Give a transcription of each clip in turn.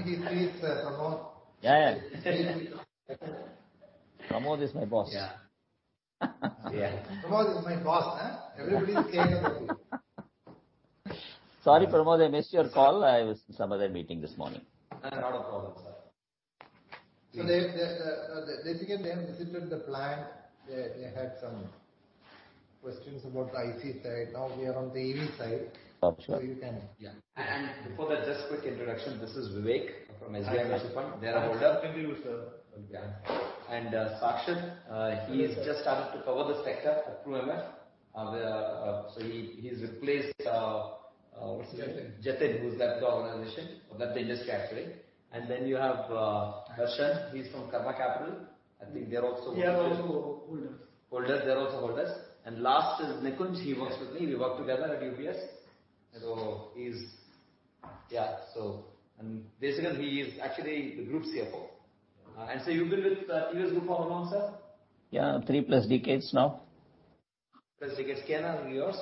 Can you please, Pramod? Yeah, yeah. Pramod is my boss. Yeah. Yeah. Pramod is my boss, huh? Everybody is scared of you. Sorry, Pramod, I missed your call. I was in some other meeting this morning. Not a problem, sir. They basically have visited the plant. They had some questions about the ICE side. Now we are on the EV side. Oh, sure. So you can- Before that, just quick introduction. This is Vivek from SG Investments. Hi. They are holder. Continue, sir. Sakshi, he's just started to cover the sector at Trust MF. So he's replaced, Jatin. Jatin, who's left the organization. That they're just capturing. Then you have Harshan. He's from Karma Capital. I think they're also- They are also holders. Holders. They're also holders. Last is Nikunj. He works with me. We worked together at UBS. He's actually the group CFO. You've been with TVS Group for how long, sir? Yeah, three-plus decades now. Plus decades. Older than yours?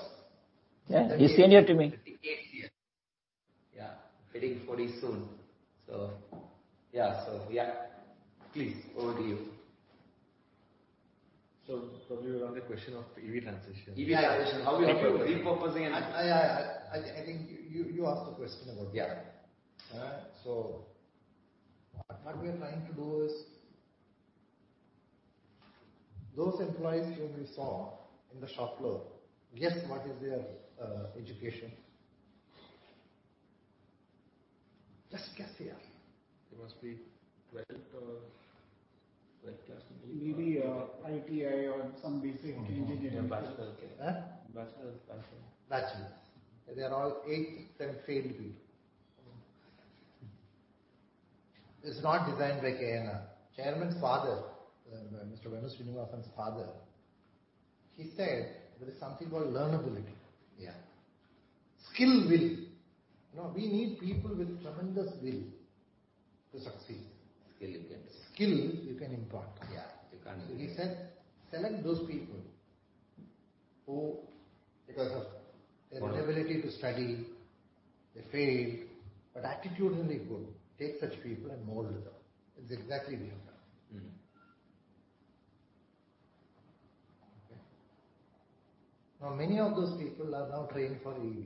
Yeah. He's senior to me. 58 years. Yeah. Hitting 40 soon. Yeah. Yeah, please, over to you. Probably around the question of EV transition. EV transition. How are you repurposing and- I think you ask the question about that. Yeah. What we are trying to do is those employees whom you saw in the shop floor. Guess what is their education? Just guess here. They must be twelfth class maybe. Maybe, ITI or some basic engineering. A bachelor's degree. Huh? Bachelor's. Bachelor's. They are all eighth and failed people. Oh. It's not designed by KNR. Chairman's father, Mr. Venu Srinivasan's father, he said there is something called learnability. Yeah. Skill will. You know, we need people with tremendous will to succeed. Skill you can. Skill you can impart. Yeah, you can't. He said, "Select those people who, because of their inability to study, they failed, but attitudinally good. Take such people and mold them." It's exactly we have done. Mm-hmm. Okay? Now, many of those people are now trained for EV.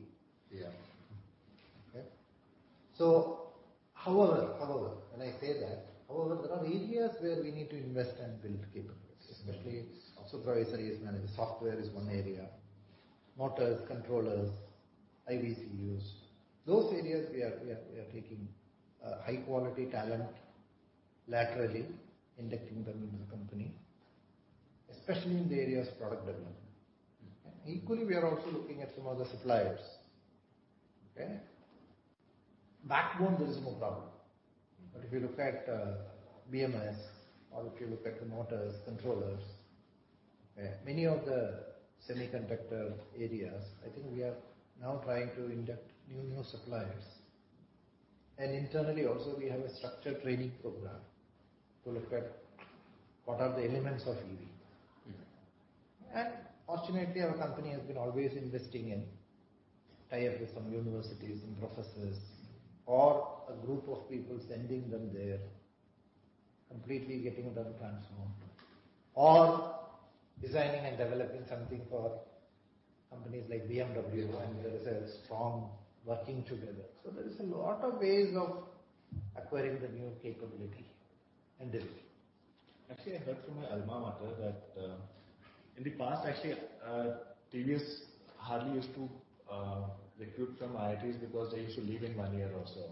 Yeah. However, when I say that, however, there are areas where we need to invest and build capabilities. Especially software management. Software is one area. Motors, controllers, VCUs. Those areas we are taking high quality talent laterally, inducting them into the company, especially in the areas of product development. Mm-hmm. Equally, we are also looking at some other suppliers. Okay? Backbone, there is no problem. But if you look at BMS or if you look at the motors, controllers, many of the semiconductor areas, I think we are now trying to induct new suppliers. Internally, also, we have a structured training program to look at what are the elements of EV. Mm-hmm. Fortunately, our company has been always investing in tie-ups with some universities and professors or a group of people sending them there, completely getting them transformed or designing and developing something for companies like BMW and there is a strong working together. There is a lot of ways of acquiring the new capability and delivering. Actually, I heard from my alma mater that in the past, actually, TVS hardly used to recruit from IITs because they used to leave in one year or so.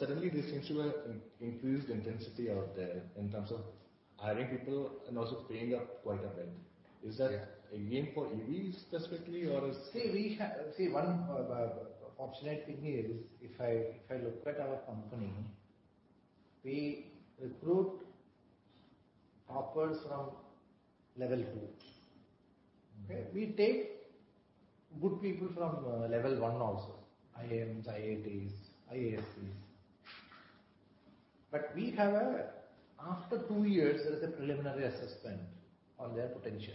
Suddenly there seems to be an increased intensity out there in terms of hiring people and also paying them quite a bit. Yeah. Is that again for EVs specifically or is? See, one fortunate thing is if I look at our company, we recruit toppers from level two. Mm-hmm. Okay. We take good people from level one also, IIMs, IITs, IISc. After two years, there is a preliminary assessment on their potential.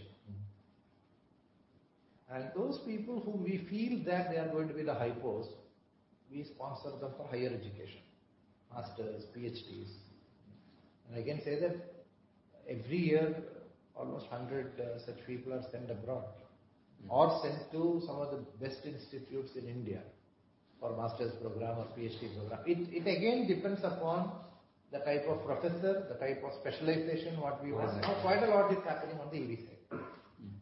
Mm-hmm. Those people who we feel that they are going to be the high posts, we sponsor them for higher education, masters, PhDs. I can say that every year almost 100 such people are sent abroad or sent to some of the best institutes in India for master's program or PhD program. It again depends upon the type of professor, the type of specialization, what we want. Correct. Quite a lot is happening on the EV side. Mm-hmm.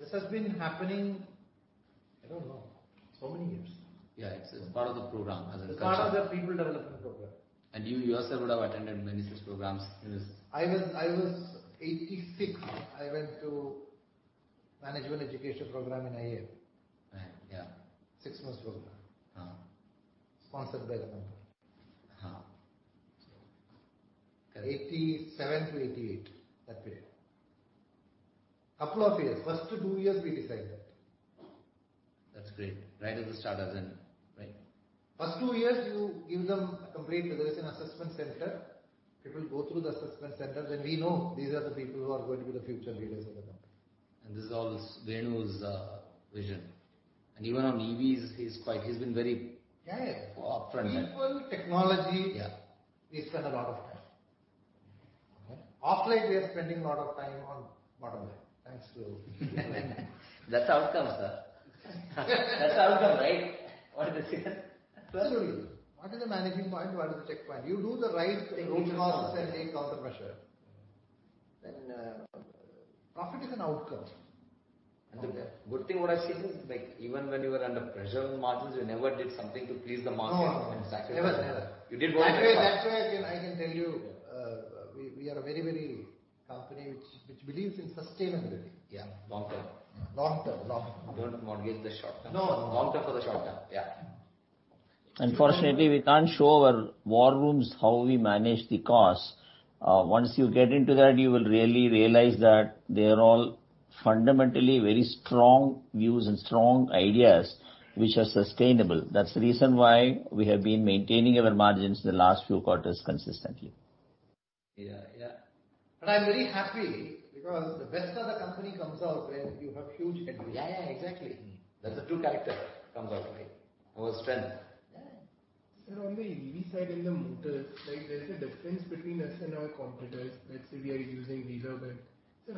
This has been happening, I don't know, so many years now. Yeah. It's part of the program as a- It's part of the people development program. You yourself would have attended many such programs in this. I was 86, I went to management education program in IIM. Right. Yeah. Six months program. Uh. Sponsored by the company. Uh. 1987-1988, that period. Uplift period. First two years we decide that. That's great. Right. There is an assessment center. People go through the assessment center, then we know these are the people who are going to be the future leaders of the company. This is all Venu's vision. Even on EVs, he's been very- Yeah, yeah. ...upfront. People, technology. Yeah We spend a lot of time. Okay? Of late, we are spending a lot of time on bottom line, thanks to That's the outcome, sir. That's the outcome, right? What is it? Absolutely. What is the managing point? What is the check point? You do the right things. Tackling costs and taking countermeasures. Profit is an outcome. The good thing what I've seen is like even when you were under pressure on margins, you never did something to please the market. No, no. And sacrifice- Never. You did what? That's why I can tell you. Yeah We are a very company which believes in sustainability. Yeah. Long term. Long term. Don't mortgage the short term. No, no. Long term for the short term. Yeah. Unfortunately, we can't show our war rooms how we manage the costs. Once you get into that, you will really realize that they are all fundamentally very strong views and strong ideas which are sustainable. That's the reason why we have been maintaining our margins the last few quarters consistently. Yeah. Yeah. I'm very happy because the best of the company comes out when you have huge entry. Yeah, yeah, exactly. That's the true character comes out, right? Our strength. Yeah. Sir, on the EV side in the motors, like there's a difference between us and our competitors. Let's say we are using BLDC motor.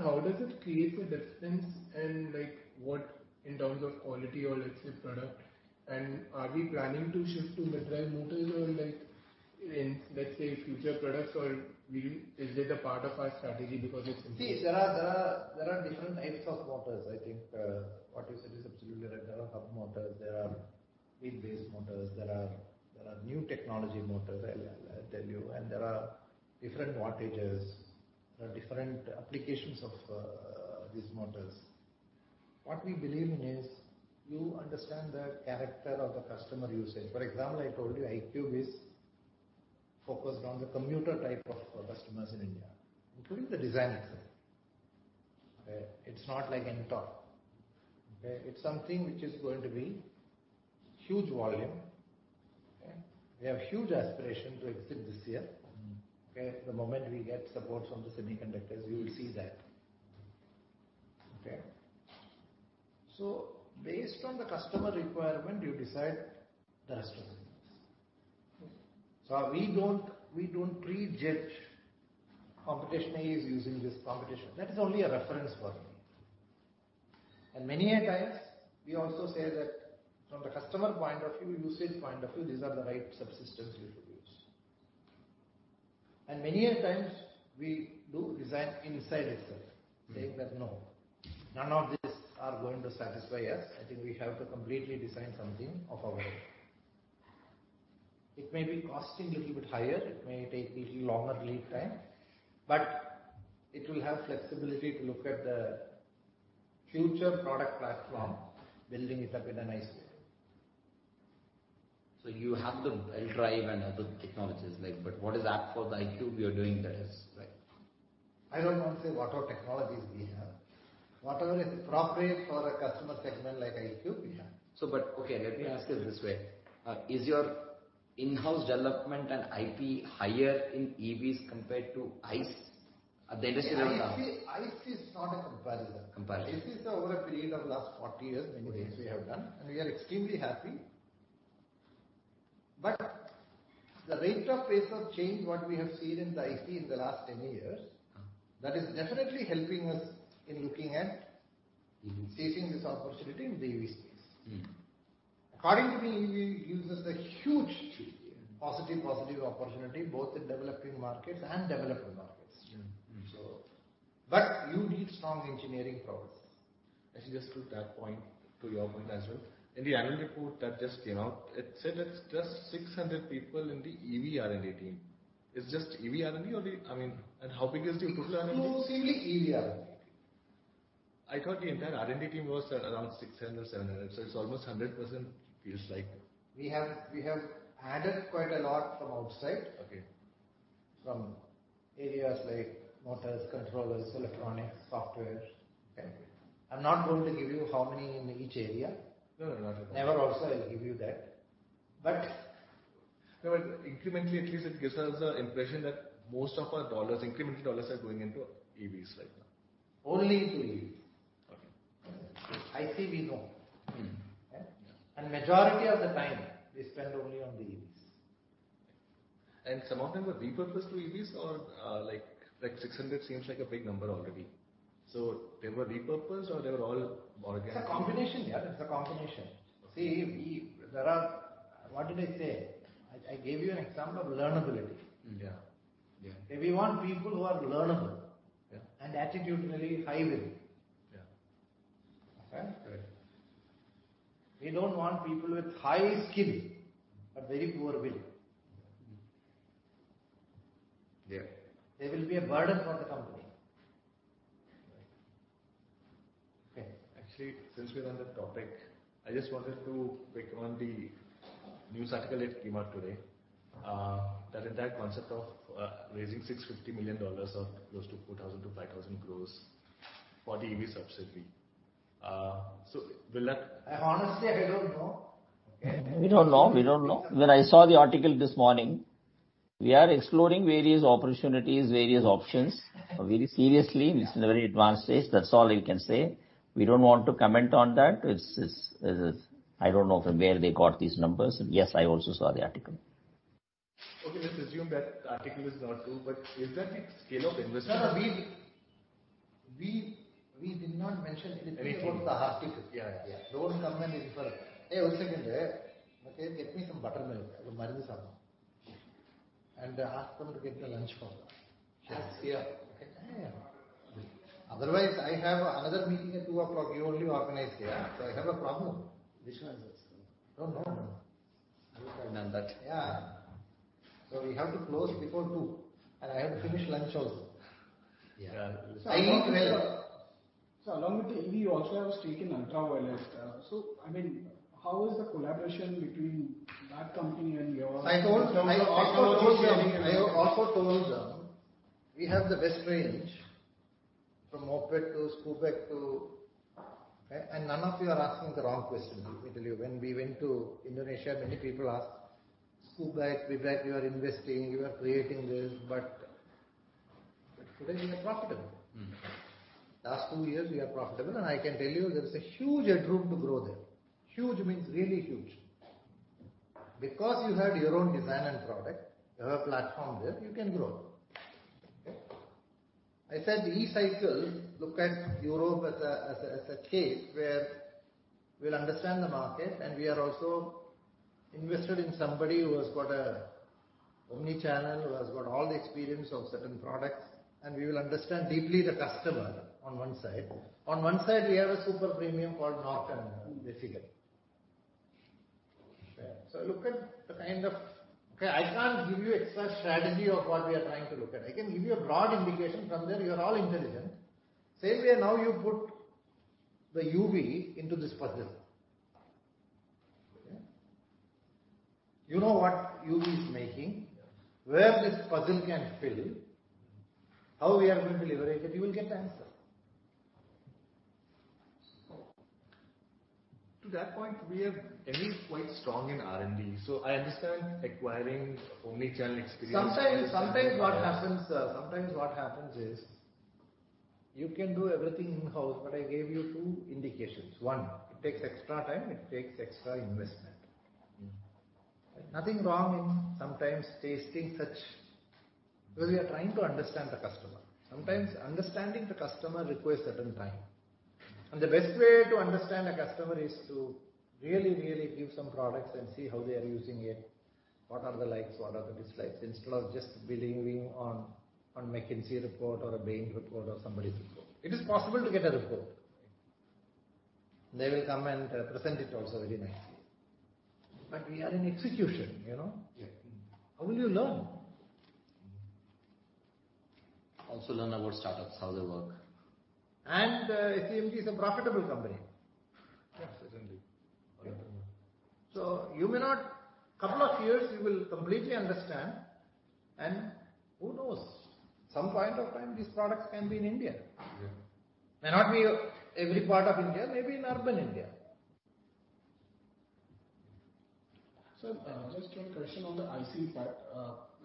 How does it create a difference and like what in terms of quality or let's say product and are we planning to shift to mid-drive motors or like in, let's say, future products? Is it a part of our strategy because it's See, there are different types of motors. I think, what you said is absolutely right. There are hub motors, there are wheel-based motors, there are new technology motors. I'll tell you. There are different wattages. There are different applications of these motors. What we believe in is you understand the character of the customer usage. For example, I told you iQube is focused on the commuter type of customers in India, including the design itself. Okay. It's not like NTORQ. Okay. It's something which is going to be huge volume. Okay. We have huge aspiration to exit this year. Mm-hmm. Okay? The moment we get supports from the semiconductors, you will see that. Okay? Based on the customer requirement, you decide the rest of the things. Okay. We don't pre-judge. Competition A is using this. That is only a reference for me. Many a times we also say that from the customer point of view, usage point of view, these are the right subsystems we should use. Many a times we do design inside itself, saying that, "No, none of these are going to satisfy us. I think we have to completely design something of our own." It may be costing little bit higher, it may take little longer lead time, but it will have flexibility to look at the future product platform, building it up in a nice way. What is apt for the iQube you are doing? That is right. I don't want to say what all technologies we have. Whatever is appropriate for a customer segment like iQube, we have. Okay, let me ask it this way. Is your in-house development and IP higher in EVs compared to ICE at the industrial level? ICE is not a comparison. Comparison. ICE is over a period of last 40 years, many things we have done, and we are extremely happy. The rate of pace of change, what we have seen in the ICE in the last 10 years. Uh. That is definitely helping us in looking at. Mm-hmm Seizing this opportunity in the EV space. Mm-hmm. According to me, EV gives us a huge. Yeah Positive opportunity both in developing markets and developed markets. Mm-hmm. Mm-hmm. You need strong engineering prowess. Actually, just to that point, to your point as well, in the annual report that just came out, it said it's just 600 people in the EV R&D team. It's just EV R&D only? I mean, how big is the input R&D? Exclusively EV R&D. I thought the entire R&D team was at around 600, 700. It's almost 100%, feels like. We have added quite a lot from outside. Okay. From areas like motors, controllers, electronics, software. Okay. I'm not going to give you how many in each area. No, no, not at all. Nevertheless, I'll give you that. No, but incrementally, at least it gives us the impression that most of our dollars, incremental dollars are going into EVs right now. Only into EVs. Okay. ICE, we don't. Mm-hmm. Okay? Yeah. Majority of the time we spend only on the EVs. Some of them were repurposed to EVs or, like, 600 seems like a big number already. They were repurposed or they were all organic- It's a combination. Yeah, it's a combination. Okay. What did I say? I gave you an example of learnability. Mm-hmm. Yeah. Yeah. We want people who are learnable. Yeah. Attitudinally high will. Yeah. Okay? Correct. We don't want people with high skill but very poor will. Mm-hmm. Yeah. They will be a burden for the company. Right. Okay. Actually, since we're on that topic, I just wanted to pick up on the news article that came out today. That entire concept of raising $650 million or close to 4,000 crore-5,000 crore for the EV subsidy. Will that- Honestly, I don't know. We don't know. When I saw the article this morning. We are exploring various opportunities, various options very seriously. It's in a very advanced stage. That's all I can say. We don't want to comment on that. It's, I don't know from where they got these numbers. Yes, I also saw the article. Okay, let's assume that article is not true. Is there a scale of investment? No. We did not mention anything about the hospital. Yeah, yeah. Hey, one second. Okay, get me some buttermilk. It will marry the sambar. Ask them to get my lunch for me. Lunch here? Yeah, yeah. Otherwise, I have another meeting at 2:00 P.M. You only organize here. I have a problem. Which one is this? No, no. I wish I'd done that. Yeah. We have to close befor 2:00 P.M, and I have to finish lunch also. Yeah. I eat well. Along with the EV, you also have a stake in Ultraviolette. I mean, how is the collaboration between that company and yours in terms of technology sharing and all? I have told you we have the best range from moped to scooter. Right? None of you are asking the wrong question. Let me tell you, when we went to Indonesia, many people asked, "Scooter, we read you are investing, you are creating this," but today we are profitable. Mm-hmm. Last two years we are profitable, and I can tell you there is a huge headroom to grow there. Huge means really huge. Because you had your own design and product, you have a platform there, you can grow. Okay? I said, e-cycle, look at Europe as a case where we'll understand the market and we are also invested in somebody who has got an omnichannel, who has got all the experience of certain products, and we will understand deeply the customer on one side. On one side, we have a super premium called Norton, basically. Okay. Look at the kind of. Okay, I can't give you exact strategy of what we are trying to look at. I can give you a broad indication. From there, you are all intelligent. Same way now you put the UV into this puzzle. Okay? You know what UV is making? Yes. Where this puzzle can fill. Mm-hmm. How we are going to leverage it, you will get the answer. To that point, Europe is quite strong in R&D, so I understand acquiring omnichannel experience. Sometimes what happens is you can do everything in-house, but I gave you two indications. One, it takes extra time, it takes extra investment. Mm-hmm. Nothing wrong in sometimes testing such, because we are trying to understand the customer. Sometimes understanding the customer requires certain time. The best way to understand a customer is to really, really give some products and see how they are using it, what are the likes, what are the dislikes, instead of just relying on McKinsey report or a Bain report or somebody's report. It is possible to get a report. They will come and present it also very nicely. We are in execution, you know? Yeah. How will you learn? Also learn about startups, how they work. SEMG is a profitable company. Yes, certainly. Couple of years, you will completely understand. Who knows, some point of time these products can be in India. Yeah. May not be every part of India, maybe in urban India. Sir, just one question on the ICE part.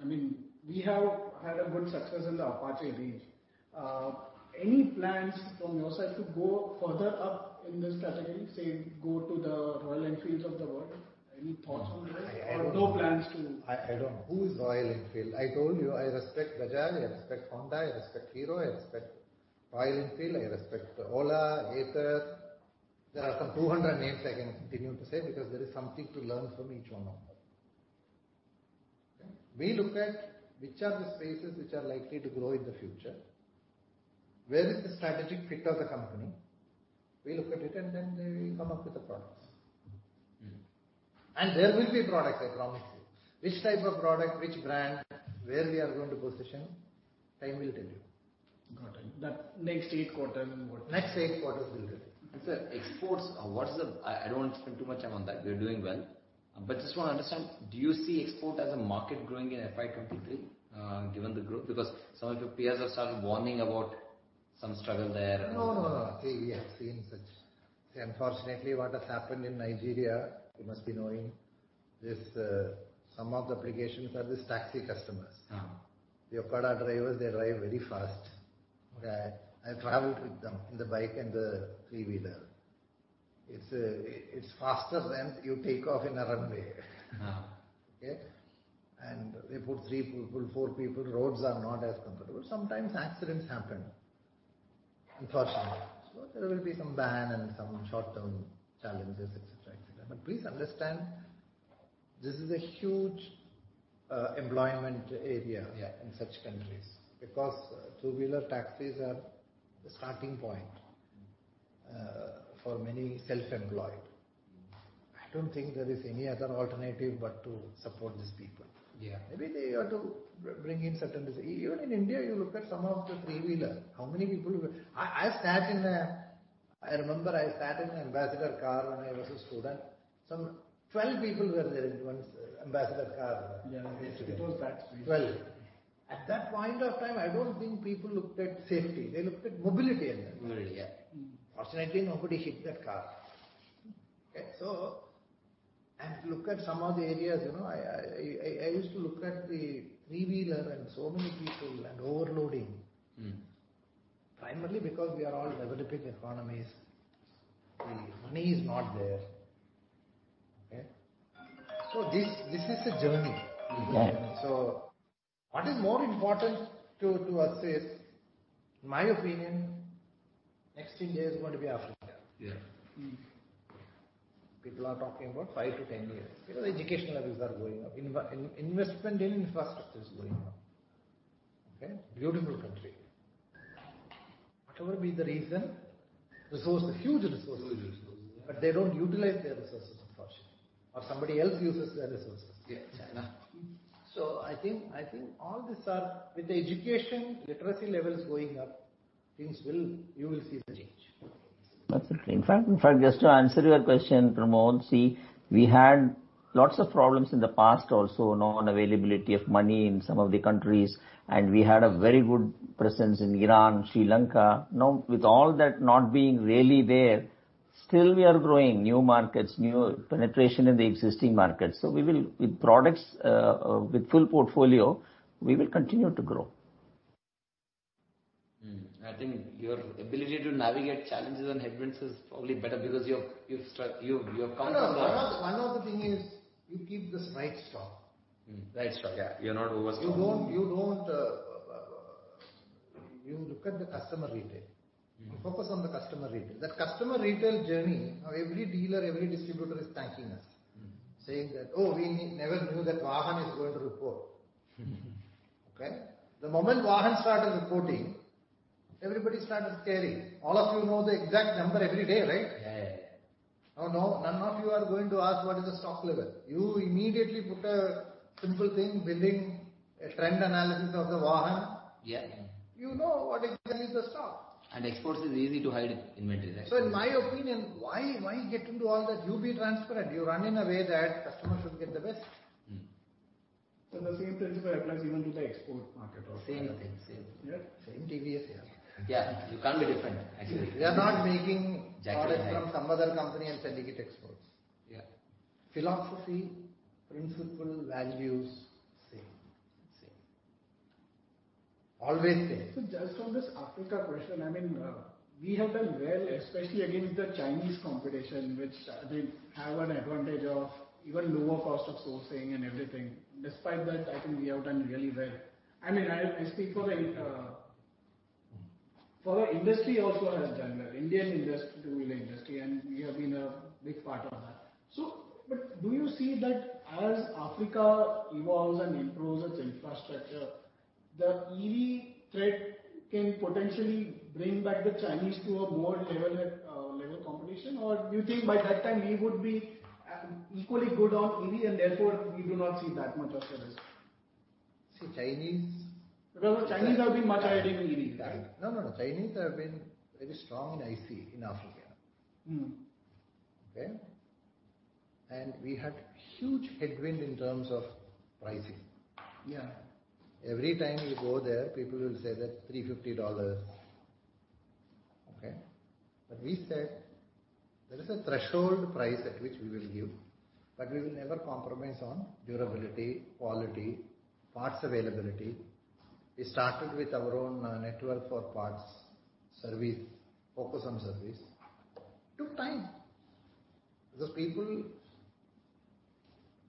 I mean, we have had a good success in the Apache range. Any plans from your side to go further up in this category, say go to the Royal Enfields of the world? Any thoughts on this? I don't. Or no plans to- Who is Royal Enfield? I told you I respect Bajaj, I respect Honda, I respect Hero, I respect Royal Enfield, I respect Ola, Ather. There are some 200 names I can continue to say because there is something to learn from each one of them. Okay? We look at which are the spaces which are likely to grow in the future. Where is the strategic fit of the company? We look at it and then we come up with the products. Mm-hmm. There will be products, I promise you. Which type of product, which brand, where we are going to position, time will tell you. Got it. The next 8 quarters will tell. Next eight quarters will tell. Sir, exports. I don't want to spend too much time on that. We are doing well, but just want to understand, do you see export as a market growing in FY 2023, given the growth? Because some of your peers have started warning about some struggle there and No, no. See, unfortunately, what has happened in Nigeria. You must be knowing this. Some of the applications are these taxi customers. Ah. The Okada drivers, they drive very fast. Okay. I traveled with them in the bike and the three-wheeler. It's faster than you take off in a runway. Ah. Okay? They put three people, four people. Roads are not as comfortable. Sometimes accidents happen, unfortunately. There will be some pain and some short-term challenges, et cetera, et cetera. Please understand, this is a huge employment area. Yeah In such countries, because two-wheeler taxis are the starting point for many self-employed. I don't think there is any other alternative but to support these people. Yeah. Maybe they have to bring in certain. Even in India, you look at some of the three-wheeler, how many people. I remember I sat in an Ambassador car when I was a student. Some 12 people were there in one Ambassador car. Yeah. It was that space. At that point of time, I don't think people looked at safety. They looked at mobility at that time. Mobility, yeah. Fortunately, nobody hit that car. Okay. Look at some of the areas, you know. I used to look at the three-wheeler and so many people and overloading. Mm-hmm. Primarily because we are all developing economies. The money is not there. Okay. This is a journey. Yeah. What is more important to us is, in my opinion, next India is going to be Africa. Yeah. People are talking about five-10 years. You know, the educational levels are going up. Investment in infrastructure is going up. Okay? Beautiful country. Whatever be the reason, huge resources. Huge resource. Yeah. They don't utilize their resources, unfortunately, or somebody else uses their resources. Yeah, China. I think all these are with the education literacy levels going up, things will. You will see the change. Absolutely. In fact, just to answer your question, Pramod. See, we had lots of problems in the past also, non-availability of money in some of the countries, and we had a very good presence in Iran, Sri Lanka. Now, with all that not being really there, still we are growing new markets, new penetration in the existing markets. We will, with products, with full portfolio, we will continue to grow. I think your ability to navigate challenges and headwinds is probably better because you're coming from a- One of the thing is you keep the right stock. Mm-hmm. Right stock, yeah. You're not overstocked. You don't, you look at the customer retail. Mm-hmm. You focus on the customer retail. That customer retail journey, now every dealer, every distributor is thanking us. Mm-hmm. Saying that, "Oh, we never knew that Vahan is going to report." Okay? The moment Vahan started reporting, everybody started caring. All of you know the exact number every day, right? Yeah, yeah. Now, no, none of you are going to ask what is the stock level. You immediately put a simple thing building a trend analysis of the Vahan. Yeah, yeah. You know what exactly is the stock. Exports is easy to hide inventory, right? In my opinion, why get into all that? You be transparent. You run in a way that customers should get the best. Mm-hmm. The same principle applies even to the export market also. Same thing. Same. Yeah. Same TVS, yeah. Yeah. You can't be different, actually. We are not making. Jekyll and Hyde. From some other company and selling it exports. Yeah. Philosophy, principle, values, same. Same. Always same. Just on this Africa question. I mean, we have done well, especially against the Chinese competition, which they have an advantage of even lower cost of sourcing and everything. Despite that, I think we have done really well. I mean, I speak for our industry also has done well. Indian industry, two-wheeler industry, and we have been a big part of that. But do you see that as Africa evolves and improves its infrastructure, the EV threat can potentially bring back the Chinese to a more level competition? Or do you think by that time we would be equally good on EV and therefore we do not see that much of a risk? See Chinese- Because the Chinese have been much ahead in EV, right? No, no. Chinese have been very strong in ICE in Africa. Mm-hmm. Okay? We had huge headwind in terms of pricing. Yeah. Every time you go there, people will say that $350. Okay? We said there is a threshold price at which we will give, but we will never compromise on durability, quality, parts availability. We started with our own network for parts, service, focus on service. Took time because people,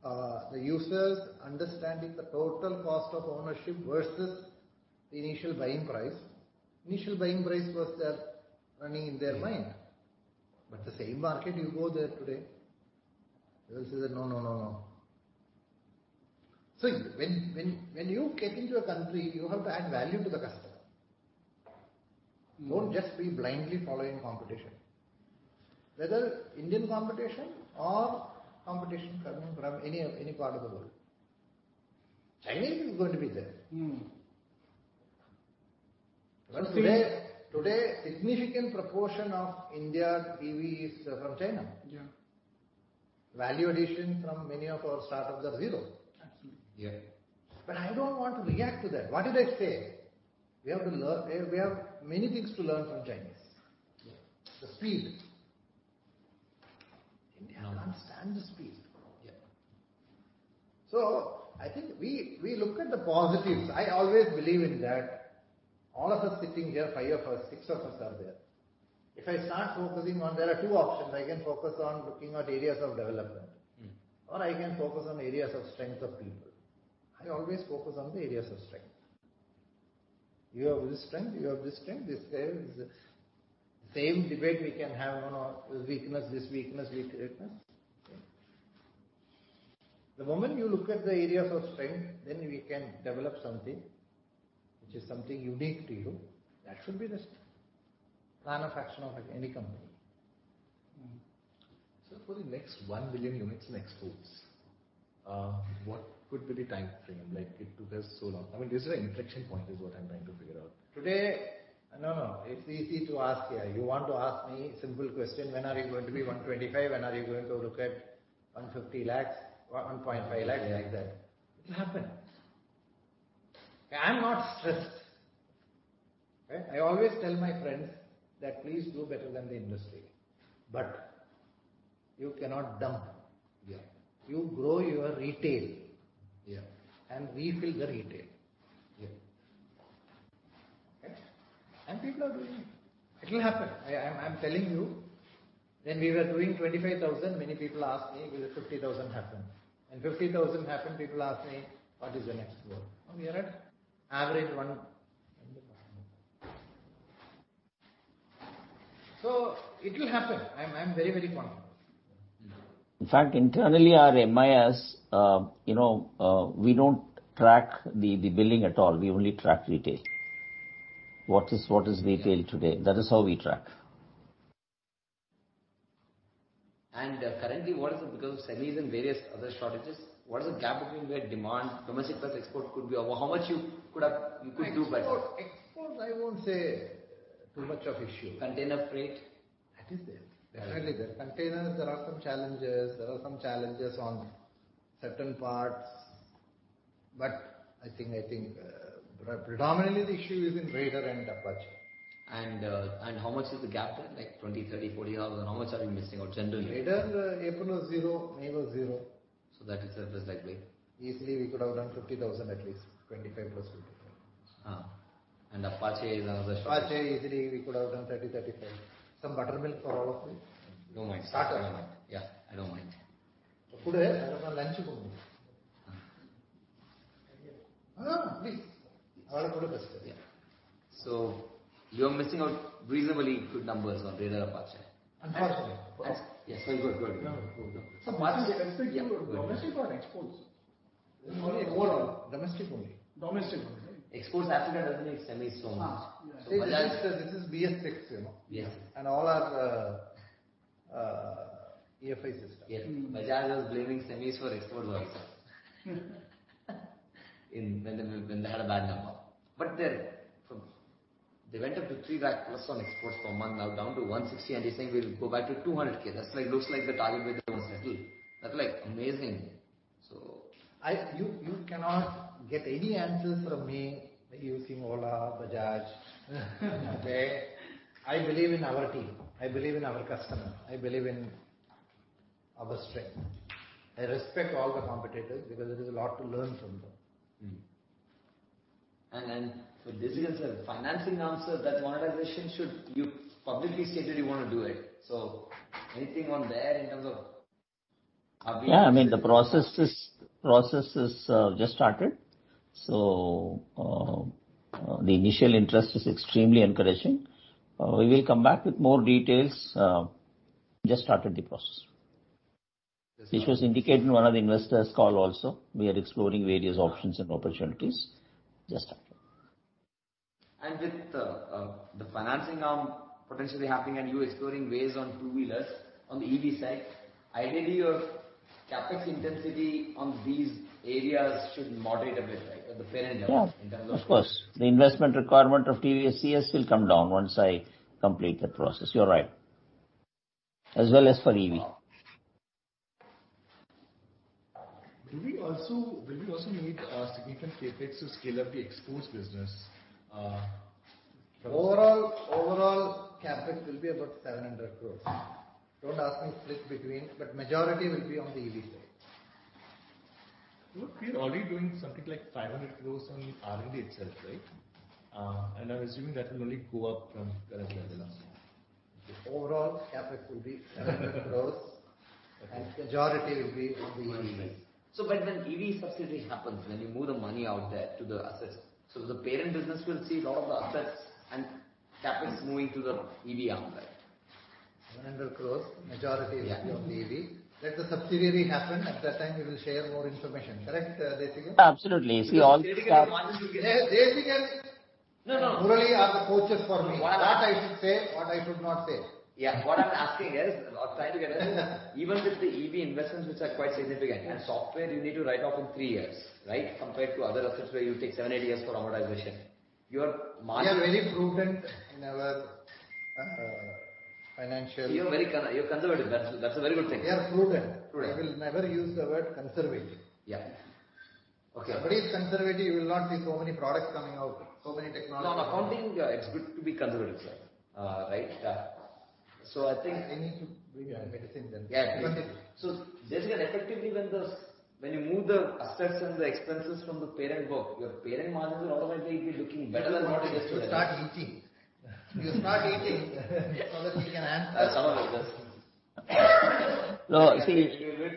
the users understanding the total cost of ownership versus the initial buying price. Initial buying price was the running in their mind. The same market, you go there today, they'll say that, "No, no, no." When you get into a country, you have to add value to the customer. Mm-hmm. Don't just be blindly following competition, whether Indian competition or competition coming from any part of the world. Chinese is going to be there. Mm-hmm. Today significant proportion of India's EV is from China. Yeah. Value addition from many of our startups is zero. Absolutely. Yeah. I don't want to react to that. What did I say? We have to learn. We have many things to learn from Chinese. Yeah. The speed. India understand the speed. Yeah. I think we look at the positives. I always believe in that all of us sitting here, five of us, six of us are there. If I start focusing on, there are two options. I can focus on looking at areas of development. Mm-hmm. I can focus on areas of strength of people. I always focus on the areas of strength. You have this strength, you have this strength. Same debate we can have on this weakness. Okay. The moment you look at the areas of strength, then we can develop something which is something unique to you. That should be the plan of action of any company. Mm-hmm. Sir, for the next one billion units in exports, what could be the time frame? Like, it took us so long. I mean, this is an inflection point is what I- No, no, it's easy to ask. Yeah, you want to ask me simple question: When are you going to be 125 lakhs? When are you going to look at 150 lakhs, 1.5 lakhs, like that. It'll happen. I'm not stressed. Right? I always tell my friends that please do better than the industry. You cannot dump. Yeah. You grow your retail. Yeah. We fill the retail. Yeah. Right? People are doing it. It'll happen. I'm telling you, when we were doing 25,000, many people asked me will the 50,000 happen? When 50,000 happened, people asked me, "What is the next goal?" Now we are at average one. It will happen. I'm very confident. In fact, internally, our MIS, you know, we don't track the billing at all. We only track retail. What is retail today? That is how we track. Currently, what is it because of semis and various other shortages? What is the gap between where demand, how much import-export could be or how much you could have, you could do better? Export, I won't say too much of issue. Container freight. That is there. Definitely there. Containers, there are some challenges. There are some challenges on certain parts, but I think predominantly the issue is in Raider and Apache. How much is the gap there? Like 20,000, 30,000, 40,000. How much are you missing out generally? Rather, April was zero, May was zero. That itself is like big. Easily, we could have done 50,000 at least, 25,000 plus 50,000. Apache is another shortage. Apache, easily we could have done 30,000, 35,000. Some buttermilk for all of you? Don't mind. Starter. I don't mind. Yeah, I don't mind. lunch. Ah. Please. Yeah. You are missing out reasonably good numbers on Raider and Apache. Unfortunately. Yes, go ahead. Go. Apache, especially for domestic or exports? Overall. Domestic only. Domestic only. Exports, Africa doesn't need semis so much. Yeah. See, this is BS6, you know. Yeah. All our EFI system. Yes. Bajaj was blaming semis for export volumes when they had a bad number. They went up to three lakh plus on exports per month, now down to 160,000, and they're saying we'll go back to 200,000. That's like, looks like the target they were going to settle. That's like amazing. You cannot get any answers from me by using Ola, Bajaj. Okay? I believe in our team, I believe in our customer, I believe in our strength. I respect all the competitors because there is a lot to learn from them. For Desikan sir, financing arm sir, that monetization, as you publicly stated you wanna do it. Anything on there in terms of how big? Yeah, I mean, the process is just started. The initial interest is extremely encouraging. We will come back with more details, just started the process. This was indicated in one of the investor calls also. We are exploring various options and opportunities. Just started. With the financing arm potentially happening and you exploring ways on two-wheelers on the EV side, ideally, your CapEx intensity on these areas should moderate a bit, right? At the parent level- Yeah ...in terms of- Of course. The investment requirement of TVS CS will come down once I complete that process. You're right. As well as for EV. Do we also need significant CapEx to scale up the exports business? Overall, CapEx will be about 700 crore. Don't ask me split between, but majority will be on the EV side. Look, we're already doing something like 500 crores on R&D itself, right? I'm assuming that will only go up from current level as well. Overall CapEx will be 700 crore. Okay. Majority will be on the EV side. When EV subsidy happens, when you move the money out there to the assets, so the parent business will see lot of the assets and CapEx moving to the EV arm, right? INR 700 crores, majority is. Yeah. on the EV. Let the subsidiary happen, at that time we will share more information. Correct, Desikan? Absolutely. K. Gopala Desikan wants you to get. De-Desikan- No, no. Murali are the coaches for me. What- What I should say, what I should not say. Yeah. What I'm asking is or trying to get at is even with the EV investments, which are quite significant, and software you need to write off in three years, right? Compared to other assets where you take seven, eight years for amortization. Your margin- We are very prudent in our financial. You're conservative. That's a very good thing. We are prudent. Prudent. I will never use the word conservative. Yeah. Okay. If somebody is conservative, you will not see so many products coming out, so many technologies coming out. No, on accounting, it's good to be conservative, sir. Right? I think- I need to bring my medicine then. Desikan, effectively when you move the assets and the expenses from the parent book, your parent margins will automatically be looking better than what it is today. Better not to start eating. If you start eating so that we can answer. Some of it does.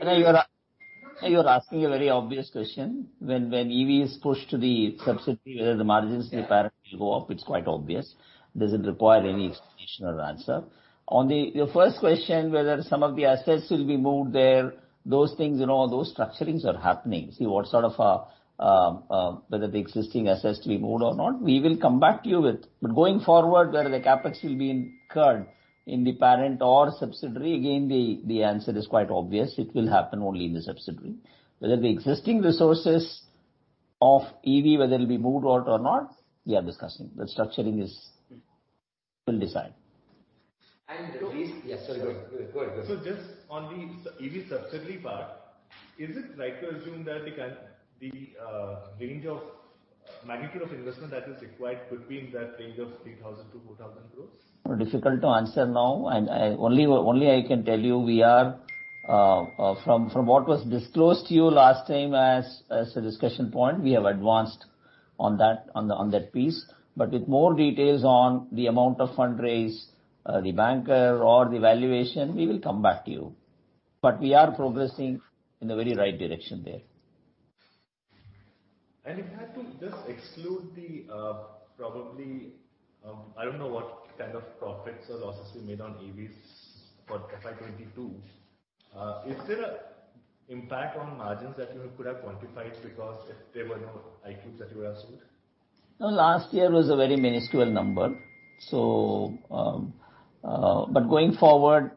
No, you're asking a very obvious question. When EV is pushed to the subsidiary, whether the margins of the parent will go up, it's quite obvious. Doesn't require any explanation or answer. On your first question, whether some of the assets will be moved there, those things, you know, those structurings are happening. See whether the existing assets to be moved or not, we will come back to you with. Going forward, whether the CapEx will be incurred in the parent or subsidiary, again, the answer is quite obvious, it will happen only in the subsidiary. Whether the existing resources of EV will be moved out or not, we are discussing. The structuring will decide. Yes, sorry. Go ahead. Just on the EV subsidy part, is it right to assume that the range of magnitude of investment that is required could be in that range of 3,000 crore-4,000 crore? No, difficult to answer now. Only I can tell you, from what was disclosed to you last time as a discussion point, we have advanced on that piece. With more details on the amount of fundraise, the banker or the valuation, we will come back to you. We are progressing in the very right direction there. If I had to just exclude the probably, I don't know what kind of profits or losses we made on EVs for FY 2022. Is there an impact on margins that you could have quantified because if there were no iQube that you would have sold? No, last year was a very minuscule number. Going forward,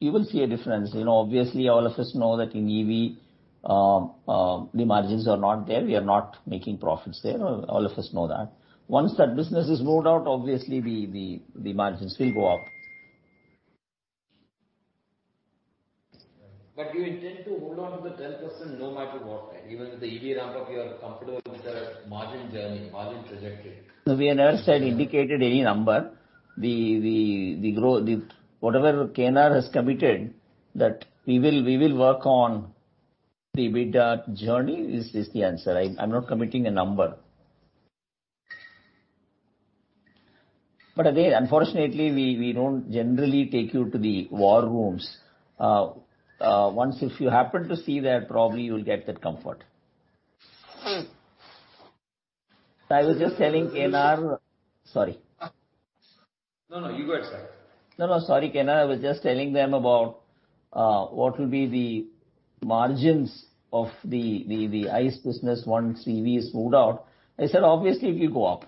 you will see a difference. You know, obviously all of us know that in EV, the margins are not there. We are not making profits there. All of us know that. Once that business is moved out, obviously the margins will go up. You intend to hold on to the 10% no matter what, right? Even with the EV ramp-up, you are comfortable with the margin journey, margin trajectory. No, we have never said, indicated any number. The whatever KNR has committed that we will work on the bid journey is the answer. I'm not committing a number. Again, unfortunately, we don't generally take you to the war rooms. Once if you happen to see that, probably you'll get that comfort. I was just telling KNR. Sorry. No, no, you go ahead, sir. No, no, sorry, KNR. I was just telling them about what will be the margins of the ICE business once EV is moved out. I said, obviously it will go up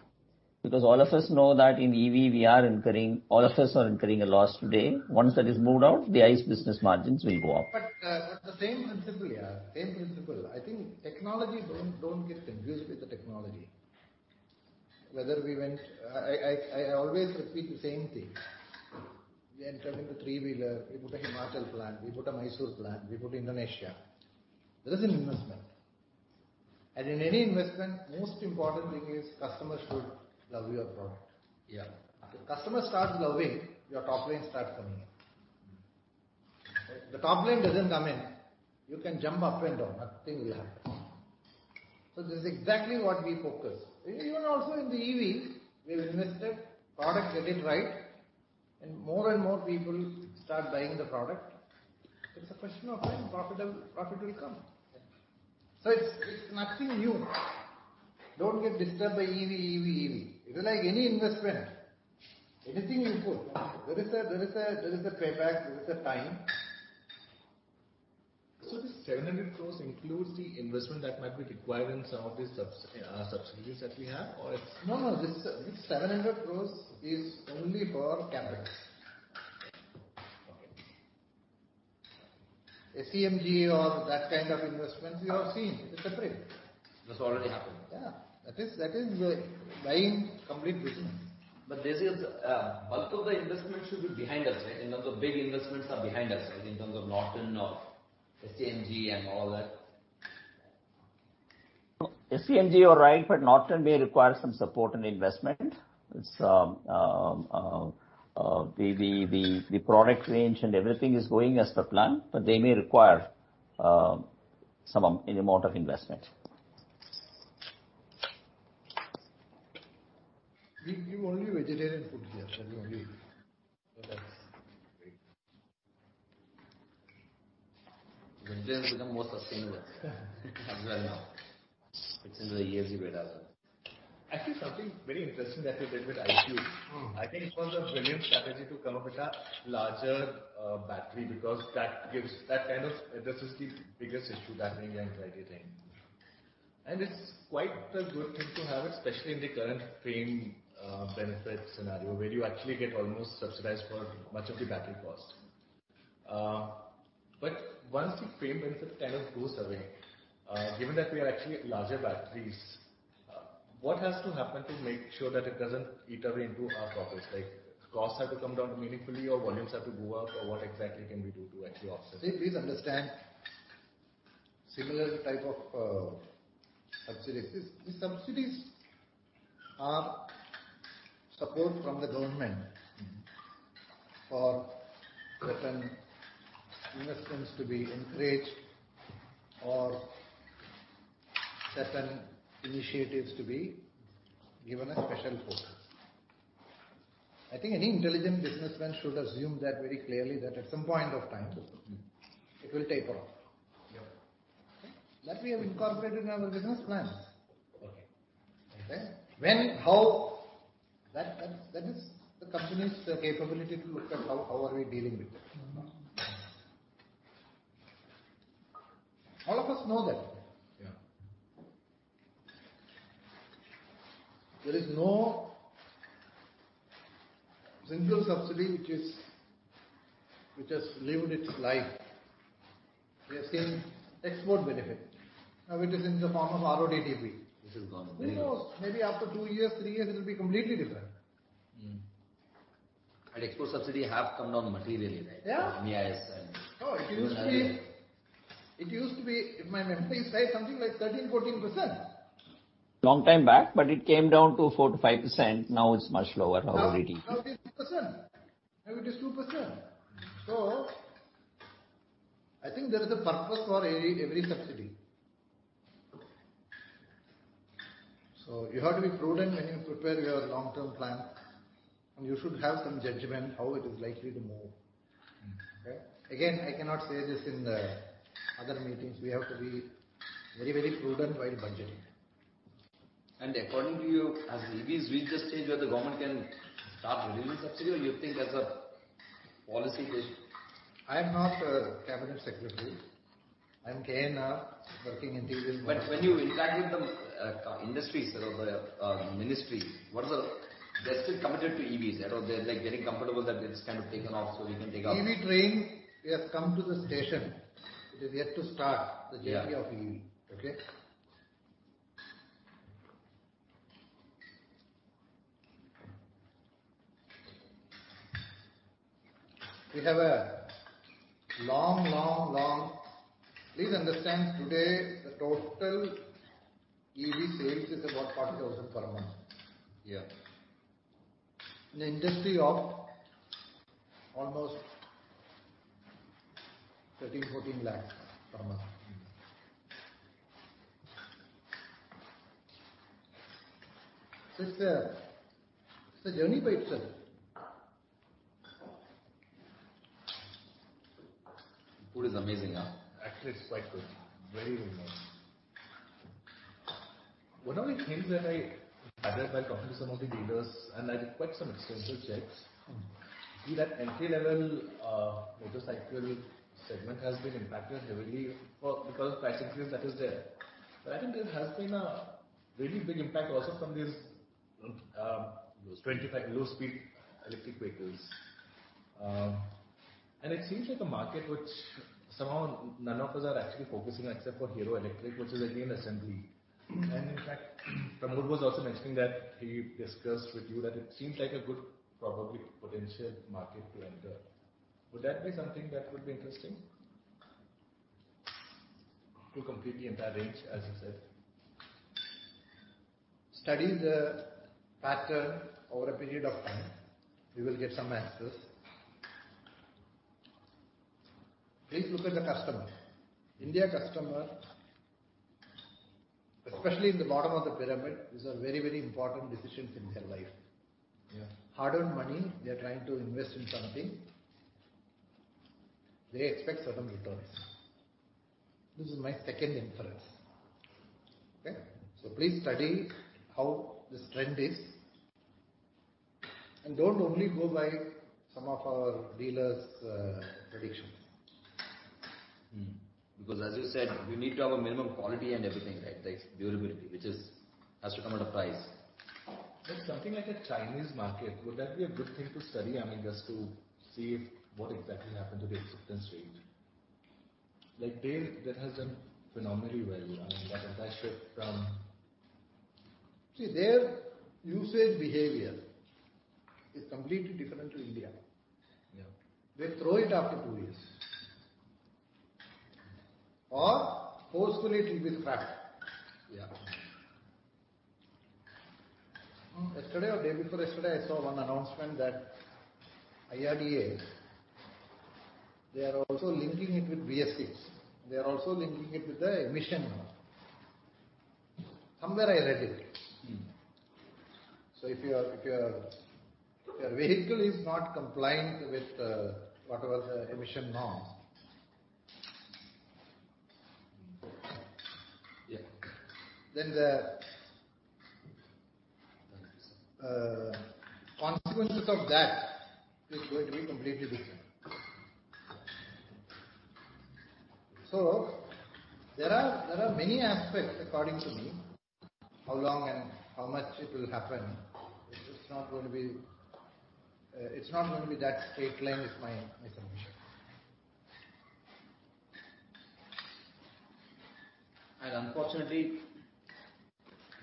because all of us know that in EV we are incurring, all of us are incurring a loss today. Once that is moved out, the ICE business margins will go up. The same principle, yeah, same principle. I think technology don't get confused with the technology. Whether we went I always repeat the same thing. When coming to three-wheeler, we put a Himachal plant, we put a Mysore plant, we put Indonesia. There is an investment. In any investment, most important thing is customer should love your product. Yeah. If the customer starts loving, your top line starts coming in. If the top line doesn't come in, you can jump up and down, nothing will happen. This is exactly what we focus. Even also in the EV, we have invested, product get it right, and more and more people start buying the product. It's a question of when profit will come. Yeah. It's nothing new. Don't get disturbed by EV. It is like any investment. Anything you put, there is a payback, there is a time. This 700 crores includes the investment that might be required in some of these subsidies that we have or it's- No, no. This 700 crores is only for CapEx. Okay. SEMG or that kind of investments, you have seen. It's separate. That's already happened. Yeah. That is buying complete business. Basically, bulk of the investment should be behind us, right? In terms of big investments are behind us, right? In terms of Norton or SEMG and all that. No. SEMG, all right, but Norton may require some support and investment. It's the product range and everything is going as per plan, but they may require an amount of investment. We give only vegetarian food here, Sandy. Only. Oh, that's great. We've just become more sustainable as well now. It's in the ESG Raider. Actually, something very interesting that you did with iQube. Mm. I think it was a brilliant strategy to come up with a larger battery because this is the biggest issue that range anxiety thing. It's quite a good thing to have, especially in the current FAME benefit scenario where you actually get almost subsidized for much of the battery cost. But once the FAME benefit kind of goes away, given that we have actually larger batteries, what has to happen to make sure that it doesn't eat away into our profits? Like costs have to come down meaningfully or volumes have to go up or what exactly can we do to actually offset this? See, please understand similar type of subsidies. The subsidies are support from the government. Mm-hmm. For certain investments to be encouraged or certain initiatives to be given a special focus. I think any intelligent businessman should assume that very clearly that at some point of time. Mm-hmm. It will taper off. Yeah. That we have incorporated in our business plans. Okay. Okay? That is the company's capability to look at how we are dealing with it. Mm-hmm. All of us know that. Yeah. There is no single subsidy which has lived its life. We have seen export benefit. Now it is in the form of RoDTEP. It has gone up. Who knows, maybe after two years, three years, it'll be completely different. Export subsidy have come down materially, right? Yeah. MEIS. No, it used to be, if my memory serves something like 13%-14%. Long time back, but it came down to 4%-5%. Now it's much lower, RoDTEP. Now it is 2%. Maybe it is 2%. I think there is a purpose for every subsidy. You have to be prudent when you prepare your long-term plan, and you should have some judgment how it is likely to move. Mm-hmm. Okay? Again, I cannot say this in the other meetings. We have to be very, very prudent while budgeting. According to you, as EVs reach a stage where the government can start removing subsidy or you think that's a policy issue? I'm not a cabinet secretary. I'm KNR working in TVS Motor. When you interact with the auto industries or the ministries, what is the. They're still committed to EVs or are they, like, getting comfortable that this is kind of taken off so we can take off? EV train, we have come to the station. It is yet to start. Yeah. The journey of EV, okay? Please understand, today the total EV sales is about 40,000 per month. Yeah. In an industry of almost 13,000-14,000 lakh per month. Mm-hmm. This is. It's a journey by itself. Food is amazing, huh? Actually, it's quite good. Very nice. One of the things that I gathered by talking to some of the dealers, and I did quite some extensive checks. Mm-hmm. I see that entry-level motorcycle segment has been impacted heavily because price increase that is there. I think there has been a really big impact also from these, those 25 low-speed electric vehicles. It seems like a market which somehow none of us are actually focusing except for Hero Electric, which is again assembly. Mm-hmm. In fact, Pramod was also mentioning that he discussed with you that it seems like a good probably potential market to enter. Would that be something that would be interesting to completely embrace, as you said. Study the pattern over a period of time, you will get some answers. Please look at the customer. Indian customer, especially in the bottom of the pyramid, these are very, very important decisions in their life. Yeah. Hard-earned money, they're trying to invest in something. They expect certain returns. This is my second inference. Okay? Please study how this trend is. Don't only go by some of our dealers' prediction. Because as you said, you need to have a minimum quality and everything, right? Like durability, which has to come at a price. Something like a Chinese market, would that be a good thing to study? I mean, just to see if what exactly happened to the acceptance rate. Like that has done phenomenally well. I mean, that shift from- See, their usage behavior is completely different to India. Yeah. They throw it after two years. Forcefully it will be scrapped. Yeah. Yesterday or day before yesterday, I saw one announcement that IRDAI, they are also linking it with BSVI. They are also linking it with the emission norm. Somewhere I read it. Mm-hmm. If your vehicle is not compliant with whatever the emission norm. Yeah. Then the- Consequences Consequences of that is going to be completely different. There are many aspects according to me. How long and how much it will happen, it's not going to be that straight line is my submission. Unfortunately,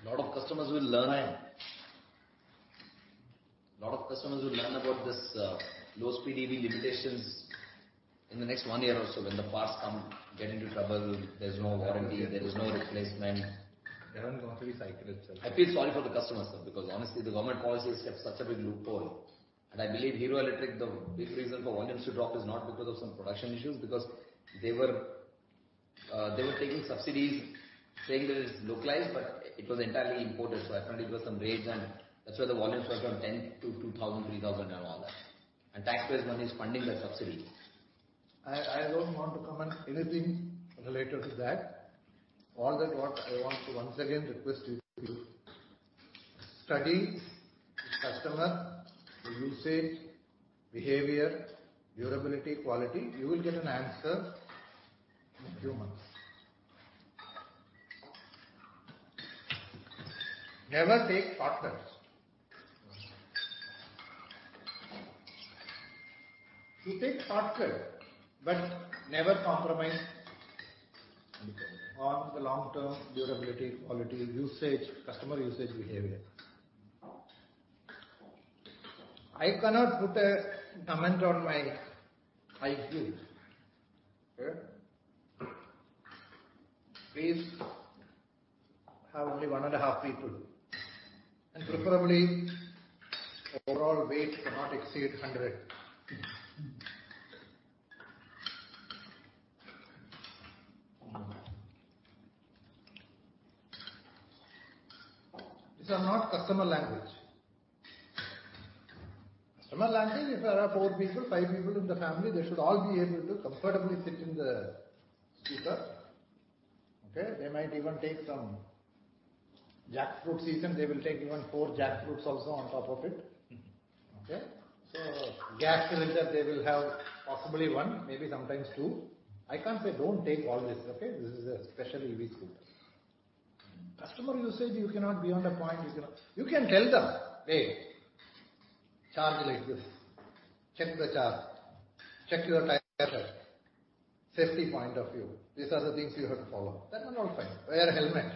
a lot of customers will learn about this low-speed EV limitations in the next one year or so when the parts come, get into trouble. There's no warranty, there is no replacement. They haven't gone through the cycle itself. I feel sorry for the customers though, because honestly, the government policies have such a big loophole. I believe Hero Electric, the big reason for volumes to drop is not because of some production issues, because they were taking subsidies saying that it's localized, but it was entirely imported. Apparently it was some raids and that's why the volumes were from 10 to 2,000, 3,000 and all that. Taxpayers' money is funding that subsidy. I don't want to comment anything related to that. All that what I want to once again request you to study the customer, the usage, behavior, durability, quality. You will get an answer in a few months. Never take shortcuts. You take shortcut, but never compromise on the long-term durability, quality, usage, customer usage behavior. I cannot put a comment on my IQ. Okay? Please have only one and a half people, and preferably overall weight cannot exceed 100. These are not customer language. Customer language, if there are four people, five people in the family, they should all be able to comfortably fit in the scooter. Okay? They might even take some jackfruit season. They will take even four jackfruits also on top of it. Mm-hmm. Okay? Gas cylinder, they will have possibly one, maybe sometimes two. I can't say, "Don't take all this, okay? This is a special EV scooter." Customer usage, you cannot be on the point, you cannot. You can tell them, "Hey, charge like this. Check the charge. Check your tire pressure. Safety point of view. These are the things you have to follow." That one all fine. Wear a helmet.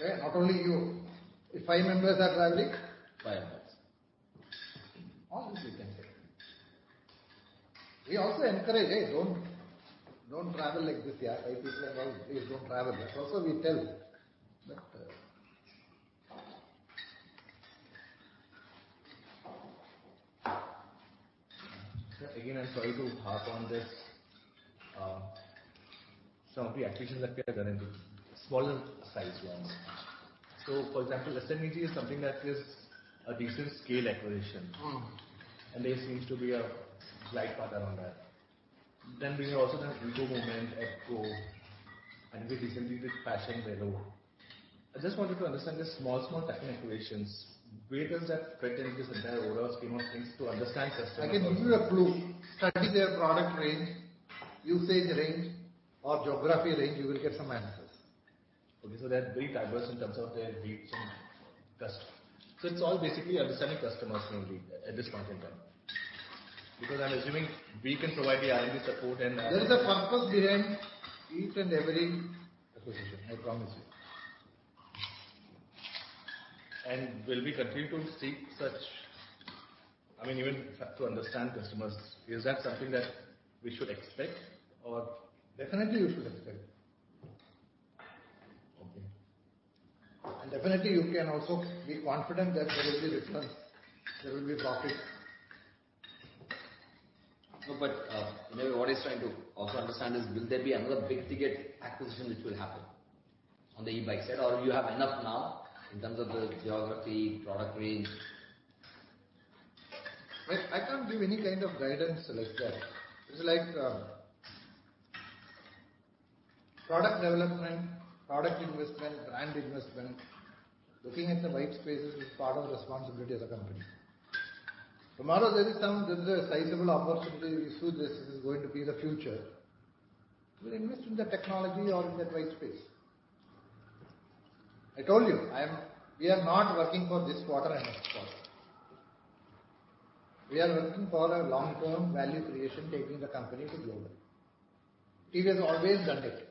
Okay? Not only you, if five members are traveling, five helmets. All this we can say. We also encourage, "Hey, don't travel like this, yeah. Five people at all, please don't travel." That also we tell. Sir, again, I'm sorry to harp on this. Some of the acquisitions that we have done, the small size ones. For example, Ascend Energy Solutions is something that is a decent scale acquisition. Mm. There seems to be a slight pattern on that. We have also done EGO Movement, Echo, and very recently with Passion Vélo. I just wanted to understand the small type acquisitions. Where does that fit in this entire overall scheme of things to understand customer- I can give you a clue. Study their product range, usage range, or geography range. You will get some answers. Okay. They are very diverse in terms of their reach and customers. It's all basically understanding customers mainly at this point in time, because I'm assuming we can provide the R&D support and There is a purpose behind each and every acquisition, I promise you. Will we continue to seek such? I mean, even to understand customers, is that something that we should expect or? Definitely, you should expect. Okay. Definitely you can also be confident that there will be returns. There will be profit. No, but, maybe what he's trying to also understand is will there be another big-ticket acquisition which will happen on the e-bike side or you have enough now in terms of the geography, product range? I can't give any kind of guidance like that. It's like, product development, product investment, brand investment. Looking at the white spaces is part of responsibility as a company. Tomorrow, there is a sizable opportunity. We feel this is going to be the future. We'll invest in the technology or in that white space. I told you, we are not working for this quarter and next quarter. We are working for a long-term value creation, taking the company to global. TVS always done it.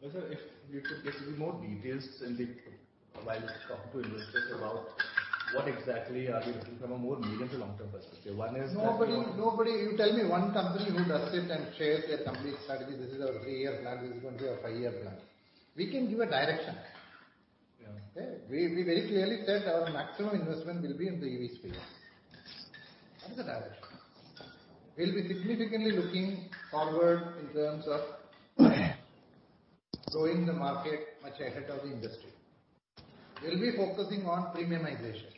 Well, sir, if you could give me more details while talking to investors about what exactly are we looking from a more medium- to long-term perspective. One is Nobody. You tell me one company who does it and shares their complete strategy. This is our three-year plan. This is going to be our five-year plan. We can give a direction. Yeah. Okay? We very clearly said our maximum investment will be in the EV space. That is the direction. We'll be significantly looking forward in terms of growing the market much ahead of the industry. We'll be focusing on premium migration.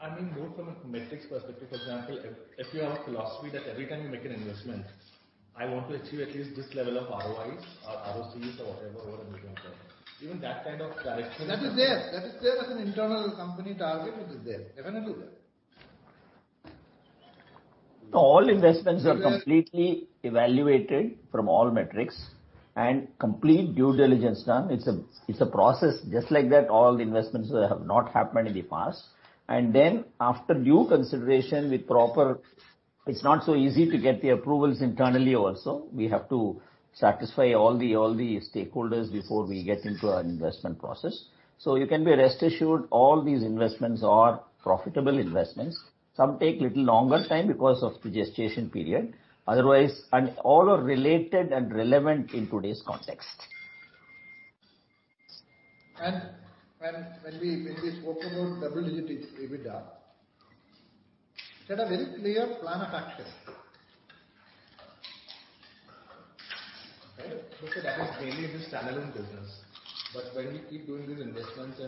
I mean more from a metrics perspective. For example, if you have a philosophy that every time you make an investment, I want to achieve at least this level of ROI or ROCE or whatever you want to call it, even that kind of direction. That is there. That is there as an internal company target. It is there. Definitely there. No, all investments are completely evaluated from all metrics and complete due diligence done. It's a process. Just like that, all the investments have not happened in the past. After due consideration with proper. It's not so easy to get the approvals internally also. We have to satisfy all the stakeholders before we get into an investment process. You can be rest assured all these investments are profitable investments. Some take little longer time because of the gestation period. Otherwise, all are related and relevant in today's context. When we spoke about double-digit EBITDA, we had a very clear plan of action. Right? Sir, that is mainly in the standalone business. When we keep doing these investments, I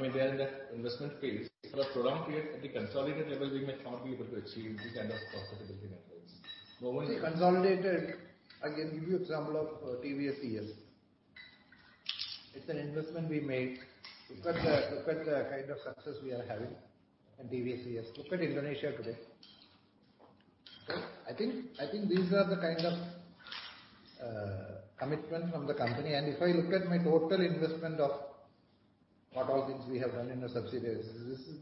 mean, they are in the investment phase for a prolonged period. At the consolidated level, we may not be able to achieve these kind of profitability metrics. Normally. Consolidated, I can give you example of TVS EIS. It's an investment we made. Look at the kind of success we are having in TVS EIS. Look at Indonesia today. Right. I think these are the kind of commitment from the company. If I look at my total investment of what all things we have done in the subsidiaries,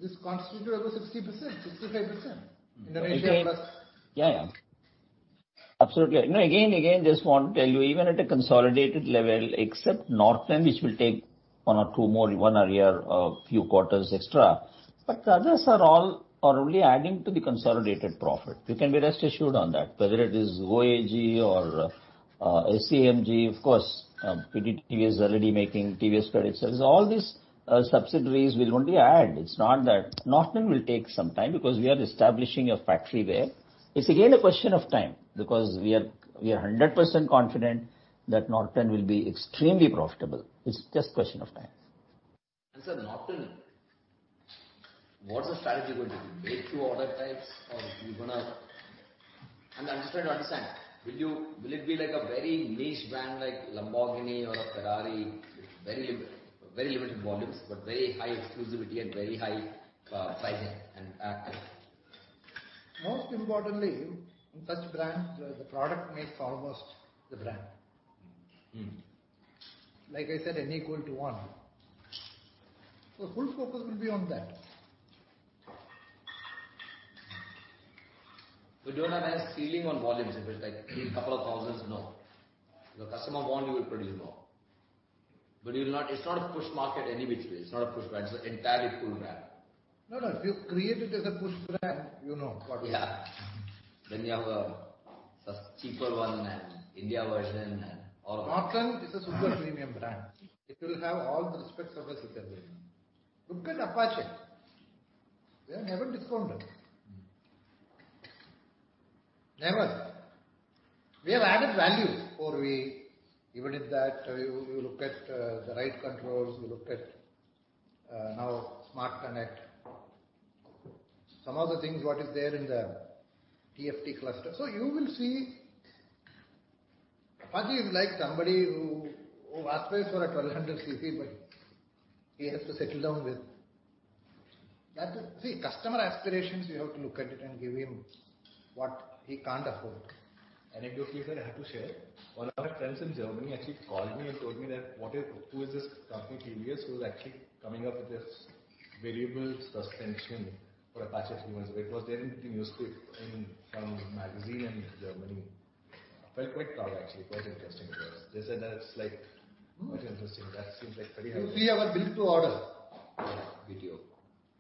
this constitute over 60%, 65%. Mm-hmm. In Asia plus Yeah. Absolutely. No, again, just want to tell you, even at a consolidated level, except Norton, which will take one or two more, one or a year, a few quarters extra, but the others are only adding to the consolidated profit. You can be rest assured on that. Whether it is AOG or SEMG, of course, TVS already making TVS Credit Services. All these subsidiaries will only add. It's not that Norton will take some time because we are establishing a factory there. It's again a question of time, because we are 100% confident that Norton will be extremely profitable. It's just question of time. Sir, Norton, what's the strategy going to be? Make-to-order types or you're gonna. I'm just trying to understand. Will it be like a very niche brand like Lamborghini or a Ferrari? Very limited volumes, but very high exclusivity and very high pricing and RTM. Most importantly, in such brands, the product makes almost the brand. Mm-hmm. Like I said, N=1. Full focus will be on that. You don't have a ceiling on volumes if it's like a couple of thousands, no. If a customer want, you will produce more. It's not a push market any which way. It's not a push brand. It's an entirely pull brand. No, no. If you create it as a push brand, you know what will happen. Yeah. You have a cheaper one and Indian version and all of that. Norton is a super premium brand. It will have all the respect and service you can bring. Look at Apache. They have never discounted. Mm-hmm. Never. We have added value. Four-wheel, even in that, you look at the ride controls, you look at now SmartXonnect. Some of the things what is there in the TFT cluster. You will see Apache is like somebody who aspires for a 1,200 cc, but he has to settle down with that. See, customer aspirations, you have to look at it and give him what he can't afford. Anecdotally, sir, I have to share. One of my friends in Germany actually called me and told me that who is this company, TVS, who's actually coming up with this variable suspension for Apache 310. It was there in the newspaper, in a magazine in Germany. I felt quite proud actually. Quite interesting it was. They said that it's like. Mm-hmm. Quite interesting. That seems like pretty high level. You see our Build to Order. Yeah. BTO.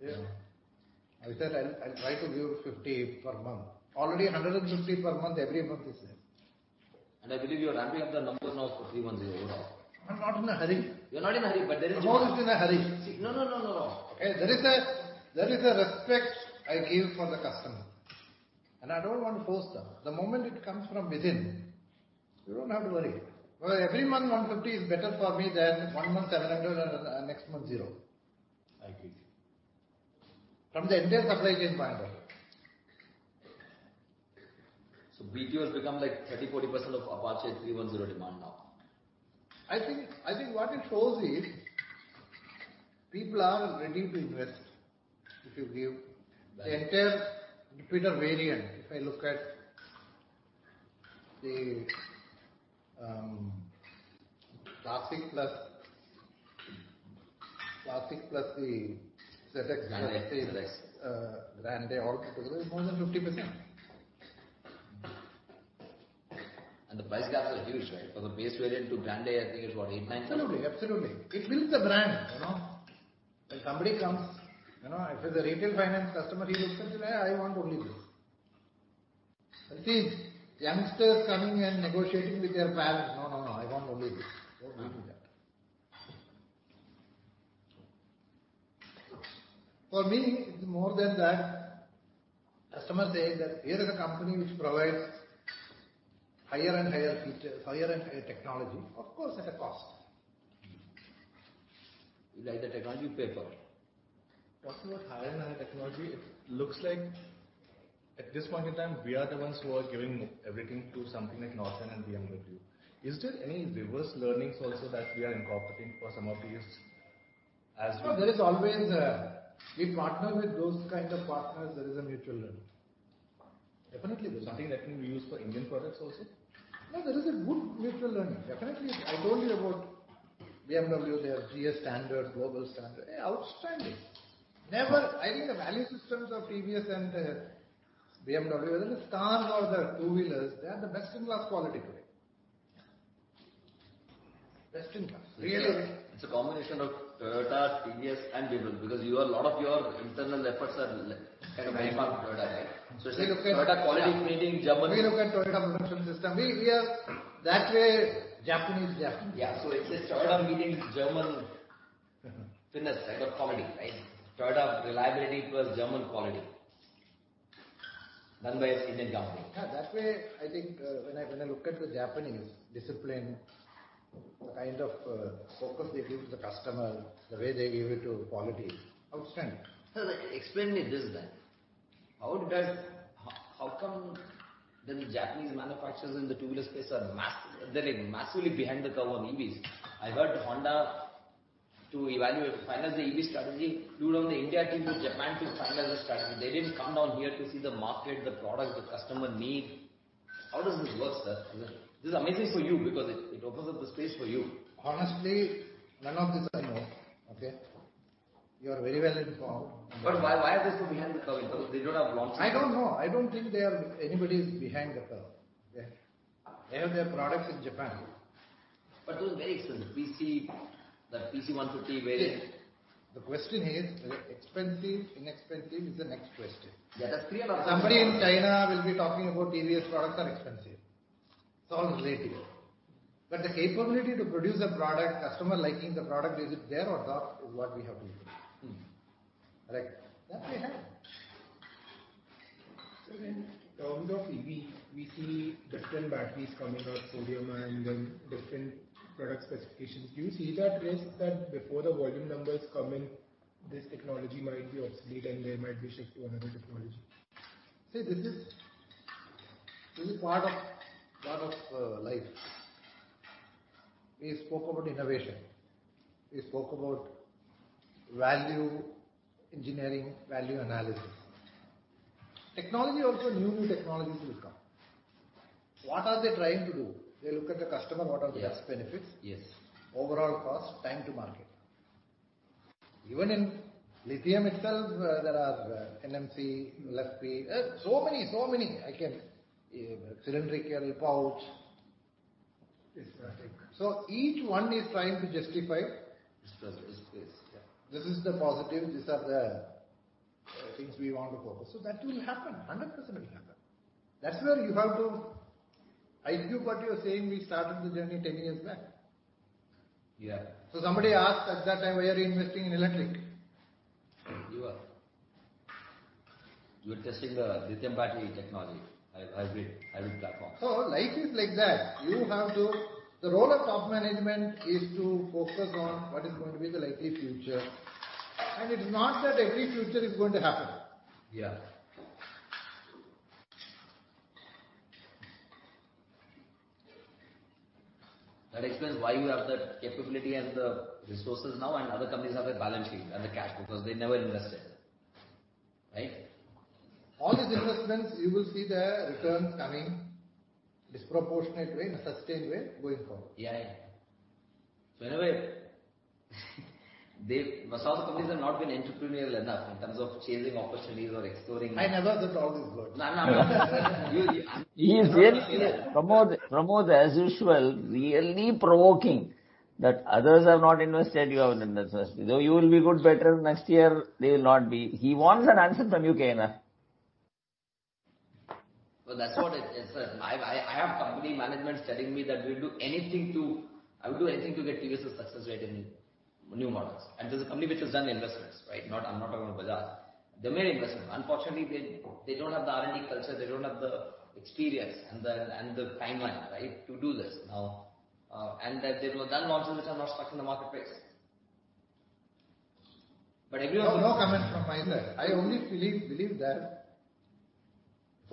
Yeah. I said I'll try to give 50 per month. Already 150 per month every month is there. I believe you are ramping up the numbers now for 310 as well. I'm not in a hurry. You're not in a hurry, but there is. The moment in a hurry. See, no, no, no. There is a respect I give for the customer, and I don't want to force them. The moment it comes from within, you don't have to worry. For every month, 150 is better for me than one month 700 and next month zero. I agree. From the entire supply chain point of view. BTO has become like 30%-40% of Apache 310 demand now. I think what it shows is people are ready to invest if you give. Right ...the entire Jupiter variant. If I look at the Classic Plus the ZX- ZX. Grande, all together is more than 50%. The price gaps are huge, right? From the base variant to Grande, I think it's what, INR 8 lakh-INR 9 lakh. Absolutely. It builds the brand, you know. When somebody comes, you know, if it's a retail finance customer, he looks and say, "I want only this." You see youngsters coming and negotiating with their parents. No, no, I want only this. Don't give me that. For me, it's more than that. Customer say that here is a company which provides higher and higher features, higher and higher technology, of course, at a cost. You like the technology, you pay for it. Talking about higher and higher technology, it looks like at this point in time, we are the ones who are giving everything to something like Norton and BMW. Is there any reverse learnings also that we are incorporating for some of these as we? We partner with those kind of partners. There is a mutual learning. Definitely. There's something that can be used for Indian products also? No, there is a good mutual learning. Definitely. I told you about BMW, their GS standard, global standard. Hey, outstanding. I think the value systems of TVS and BMW, whether it's cars or their two-wheelers, they have the best-in-class quality today. Yeah. Best-in-class. Really. It's a combination of Toyota, TVS and BMW because a lot of your internal efforts are like kind of benchmark Toyota, right? We look at It's Toyota quality meeting German We look at Toyota Production System. We are that way Japanese. Yeah. It's a Toyota meeting German finesse, right? Not quality, right? Toyota reliability plus German quality. Done by an Indian company. Yeah. That way, I think, when I look at the Japanese discipline, the kind of focus they give to the customer, the way they give it to quality. Outstanding. Sir, explain me this then. How come then the Japanese manufacturers in the two-wheeler space are massively behind the curve on EVs? I heard Honda to finalize the EV strategy, flew down the entire team to Japan to finalize the strategy. They didn't come down here to see the market, the product, the customer need. How does this work, sir? This is amazing for you because it opens up the space for you. Honestly, none of this I know. Okay? You are very well informed. Why, why are they so behind the curve? Because they don't have launches. I don't know. I don't think anybody is behind the curve. They have their products in Japan. Those are very expensive. PCX, the PCX 150 is very- See, the question is expensive. Inexpensive is the next question. Yeah. That's pre or post. Somebody in China will be talking about TVS products are expensive. It's all relative. The capability to produce a product, customer liking the product, is it there or not, is what we have to improve. Mm-hmm. Right. That they have. Sir, in terms of EV, we see different batteries coming up, sodium-ion and different product specifications. Do you see that risk that before the volume numbers come in, this technology might be obsolete and they might be shifted to another technology? See, this is part of life. We spoke about innovation. We spoke about value engineering, value analysis. Technology also, new technologies will come. What are they trying to do? They look at the customer, what are the best benefits- Yes. Overall cost, time to market. Even in lithium itself, there are NMC, LFP, so many. Cylindrical, pouch. Yes. Each one is trying to justify. This. Yeah. This is the positive, these are the things we want to focus. That will happen. 100% it'll happen. That's where you have to. I think what you're saying, we started the journey 10 years back. Yeah. Somebody asked at that time, why are you investing in electric? You were testing the lithium battery technology, hybrid platform. Life is like that. The role of top management is to focus on what is going to be the likely future. It is not that every future is going to happen. Yeah. That explains why you have the capability and the resources now, and other companies have a balance sheet and the cash because they never invested. Right? All these investments, you will see their returns coming disproportionate way, in a sustained way going forward. Yeah. Anyway, some of the companies have not been entrepreneurial enough in terms of chasing opportunities or exploring. I never said the problem is good. No, no. He is really Pramod, as usual, really provoking that others have not invested, you have invested. You will be good, better next year. They will not be. He wants an answer from you, K.N.R. Well, that's what it is. I have company managements telling me that I would do anything to get TVS' success rate in new models. This is a company which has done investments, right? I'm not talking about Bajaj. They made investments. Unfortunately, they don't have the R&D culture, they don't have the experience and the timeline, right, to do this now. And that there were some launches which are not stuck in the marketplace. Everyone- No, no comment from my side. I only believe that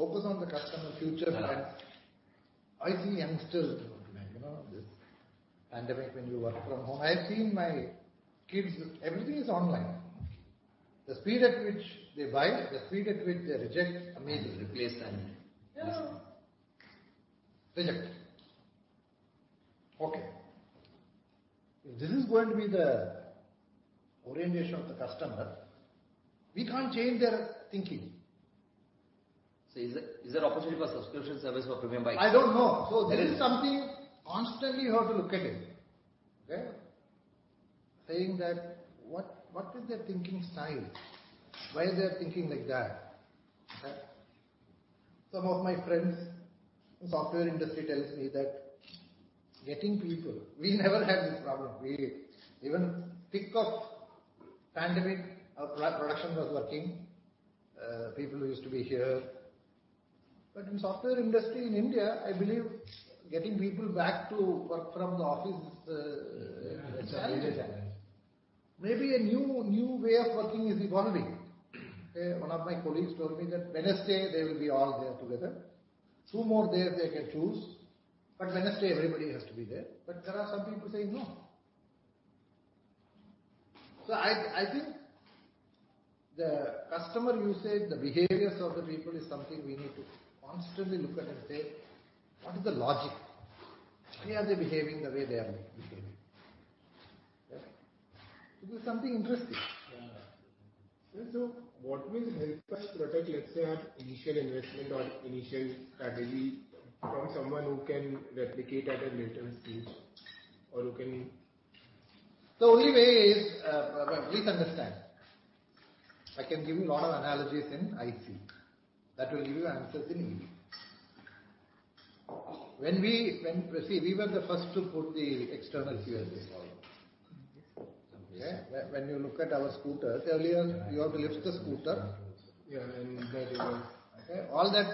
focus on the customer future needs. Yeah. I see youngsters, you know, this pandemic when you work from home. I've seen my kids, everything is online. The speed at which they buy, the speed at which they reject. Replace. Yeah. Reject. Okay. If this is going to be the orientation of the customer, we can't change their thinking. Is there opportunity for subscription service for premium bikes? I don't know. There is- This is something constantly you have to look at it. Okay. Saying that what is their thinking style? Why is their thinking like that? Some of my friends in software industry tells me that getting people, we never had this problem. Even at the peak of the pandemic, our production was working, people used to be here. In software industry in India, I believe getting people back to work from the office is a challenge. Yeah. Maybe a new way of working is evolving. One of my colleagues told me that Wednesday, they will be all there together. Two more days they can choose, but Wednesday everybody has to be there. There are some people saying, "No." I think the customer usage, the behaviors of the people is something we need to constantly look at and say, "What is the logic? Why are they behaving the way they are behaving?" Right? It is something interesting. Yeah. What will help us protect, let's say, our initial investment or initial strategy from someone who can replicate at a later stage or who can? The only way is, please understand. I can give you lot of analogies in ICE. That will give you answers in EV. When we see, we were the first to put the external fuel dip bar. Mm-hmm. Yeah. When you look at our scooters, earlier you have to lift the scooter. Yeah. Okay. All that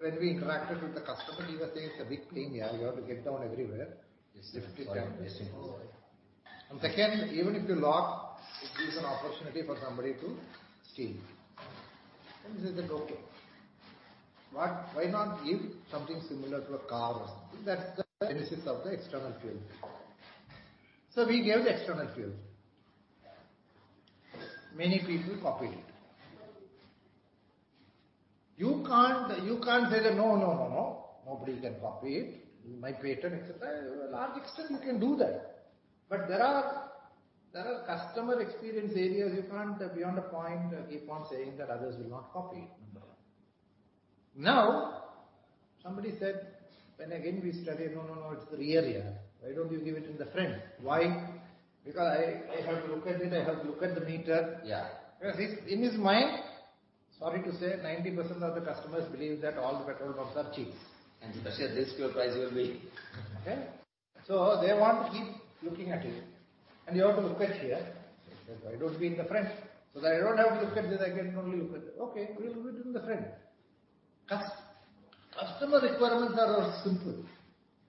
when we interacted with the customer, we were saying it's a big pain here. You have to get down everywhere. Yes. Second, even if you lock, it gives an opportunity for somebody to steal. We said, "Okay." Why not give something similar to a car or something? That's the genesis of the external fuel. We gave the external fuel. Many people copied it. You can't say that, "No, no, no. Nobody can copy it. My patent," et cetera. To a large extent you can do that. There are customer experience areas you can't beyond a point keep on saying that others will not copy it. Now, somebody said, when again we studied, "No, no. It's the rear here. Why don't you give it in the front?" Why? "Because I have to look at it. I have to look at the meter. Yeah. Because in his mind, sorry to say, 90% of the customers believe that all the petrol bunks are cheats. Especially this fuel price will be. Okay. They want to keep looking at it, and you have to look at here. They say, "Why don't be in the front so that I don't have to look at this. I can only look at it." Okay, we'll put it in the front. Customer requirements are all simple,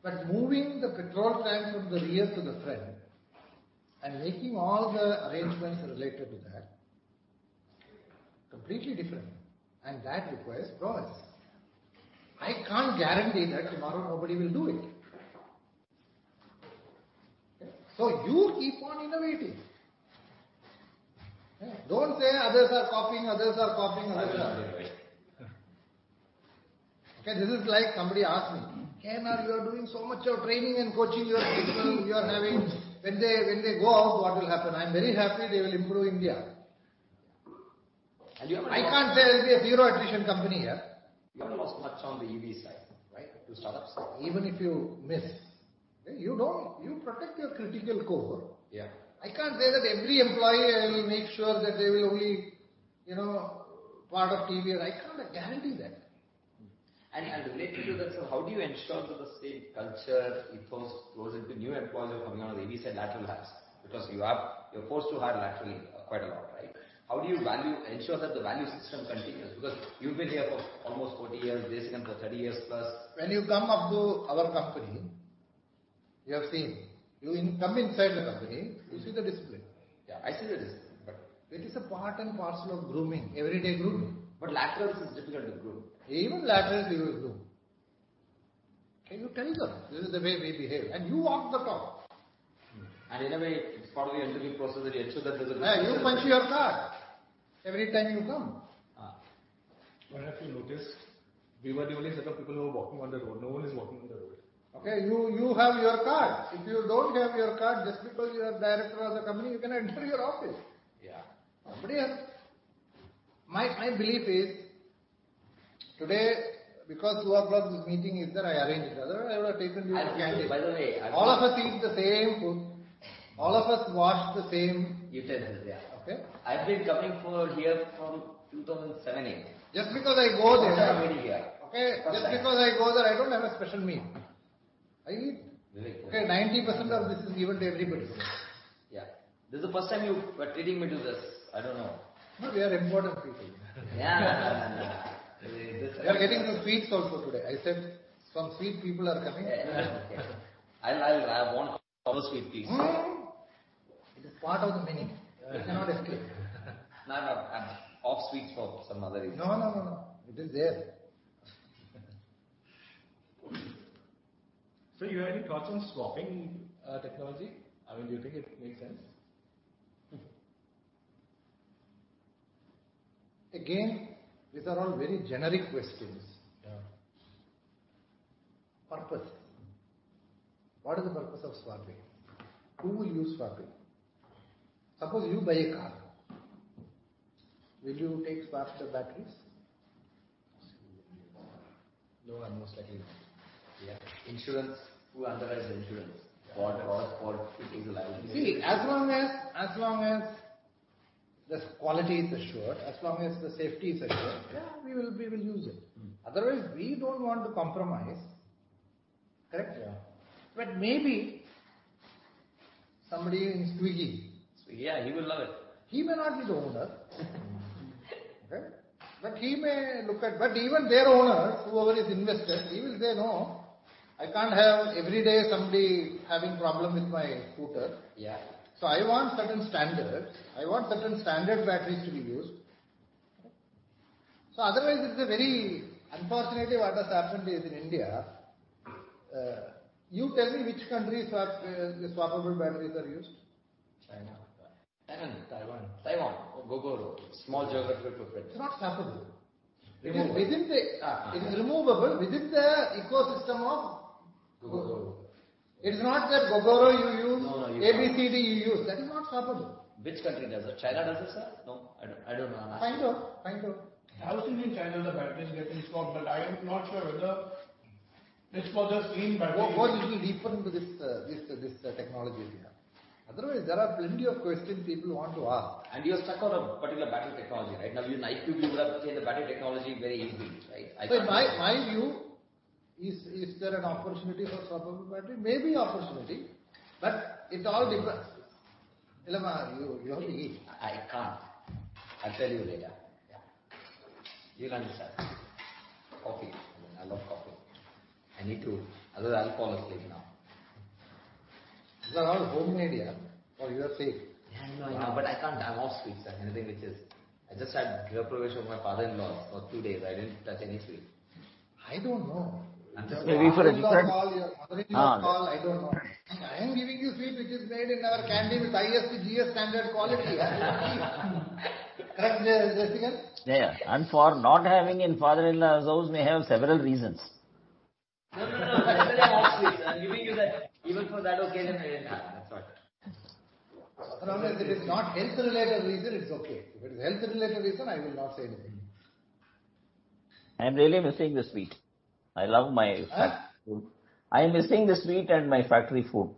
but moving the petrol tank from the rear to the front and making all the arrangements related to that, completely different, and that requires prowess. I can't guarantee that tomorrow nobody will do it. Okay? You keep on innovating. Okay. Don't say, "Others are copying. Right. Okay. This is like somebody asked me, "KNR, you are doing so much of training and coaching your people you are having. When they go out, what will happen?" I'm very happy they will improve India. You have a I can't say I'll be a zero attrition company here. You have lost much on the EV side, right? To startups. Even if you miss, you protect your critical cohort. Yeah. I can't say that every employee I will make sure that they will only, you know, part of TVS. I can't guarantee that. How do you ensure that the same culture, ethos goes into new employees who are coming on the EV side lateral hires? Because you're forced to hire laterally quite a lot, right? How do you ensure that the value system continues? Because you've been here for almost 40 years, Jeyasigamony for 30+ years. When you come up to our company, you have seen. You come inside the company, you see the discipline. Yeah, I see the discipline. It is a part and parcel of grooming. Everyday grooming. Laterals is difficult to groom. Even laterals we will groom. Okay. You tell them, "This is the way we behave," and you walk the talk. In a way, it's part of your interviewing process that you ensure that there's a- Yeah, you punch your card every time you come. Ah. What I've noticed, we were the only set of people who were walking on the road. No one is walking on the road. Okay. You have your card. If you don't have your card, just because you are director of the company, you can't enter your office. Yeah. Nobody can. My belief is today because 2:00 P.M. o'clock this meeting is there, I arranged it. Otherwise, I would have taken you. I see. By the way. All of us eat the same food. All of us wash the same. Utensils, yeah. Okay? I've been coming here from 2007, 2008. Just because I go there. First time I'm eating here. Okay. Just because I go there, I don't have a special meal. I eat. Very cool. Okay, 90% of this is given to everybody. Yeah. This is the first time you were treating me to this. I don't know. No, we are important people. Yeah. We are getting the sweets also today. I said some sweet people are coming. I'll have one of the sweet pieces. No, no. It is part of the menu. You cannot escape. No, no. I'm off sweets for some other reason. No. It is there. Sir, you have any thoughts on swapping technology? I mean, do you think it makes sense? Again, these are all very generic questions. Yeah. Purpose. What is the purpose of swapping? Who will use swapping? Suppose you buy a car, will you take swappable batteries? No one most likely will. Yeah. Insurance. Who underwrites the insurance for? For taking the liability. See, as long as the quality is assured, as long as the safety is assured, yeah, we will use it. Hmm. Otherwise, we don't want to compromise. Correct? Yeah. Maybe somebody in Swiggy. Swiggy, yeah, he will love it. He may not be the owner. Okay? Even their owner, whoever is invested, he will say, "No, I can't have every day somebody having problem with my scooter. Yeah. I want certain standards. I want certain standard batteries to be used. Okay? Otherwise, unfortunately, what has happened is in India, you tell me which countries swap, the swappable batteries are used. China. Taiwan. Taiwan. Taiwan. Gogoro. Small geographical footprint. It's not swappable. Removable. It is within the- Ah, ah. It is removable within their ecosystem of. Gogoro Gogoro. It's not that Gogoro you use. No, you can't. ABCD you use. That is not swappable. Which country does it? China does it, sir? No, I don't know, honestly. China. I've seen in China the batteries getting swapped, but I am not sure whether it's for the same battery. Go little deeper into this technology, Siddharth. Otherwise, there are plenty of questions people want to ask. You're stuck on a particular battery technology, right? Now, I feel you would have changed the battery technology very easily, right? My view is there an opportunity for swappable battery? Maybe opportunity, but it all depends. Ilama, you only eat. I can't. I'll tell you later. Yeah. You can decide. Coffee. I love coffee. I need to, otherwise I'll fall asleep now. These are all homemade, yeah, for your sake. Yeah, I know. I can't have soft sweets or anything. I just had house probation with my father-in-law for two days. I didn't touch any sweet. I don't know. I'm just- Maybe for a different- Your father-in-law call, your mother-in-law call. I don't know. I am giving you sweet, which is made in our candy with ISO standard quality. Correct, Jesigan? Yeah, yeah. For not having in father-in-law's house, may have several reasons. No, no. I said I have enough sweets. I'm giving you that even for that occasion I didn't have, that's all. As long as it is not health-related reason, it's okay. If it is health-related reason, I will not say anything. I am really missing the sweet. Ah. Factory food. I am missing the sweet and my factory food.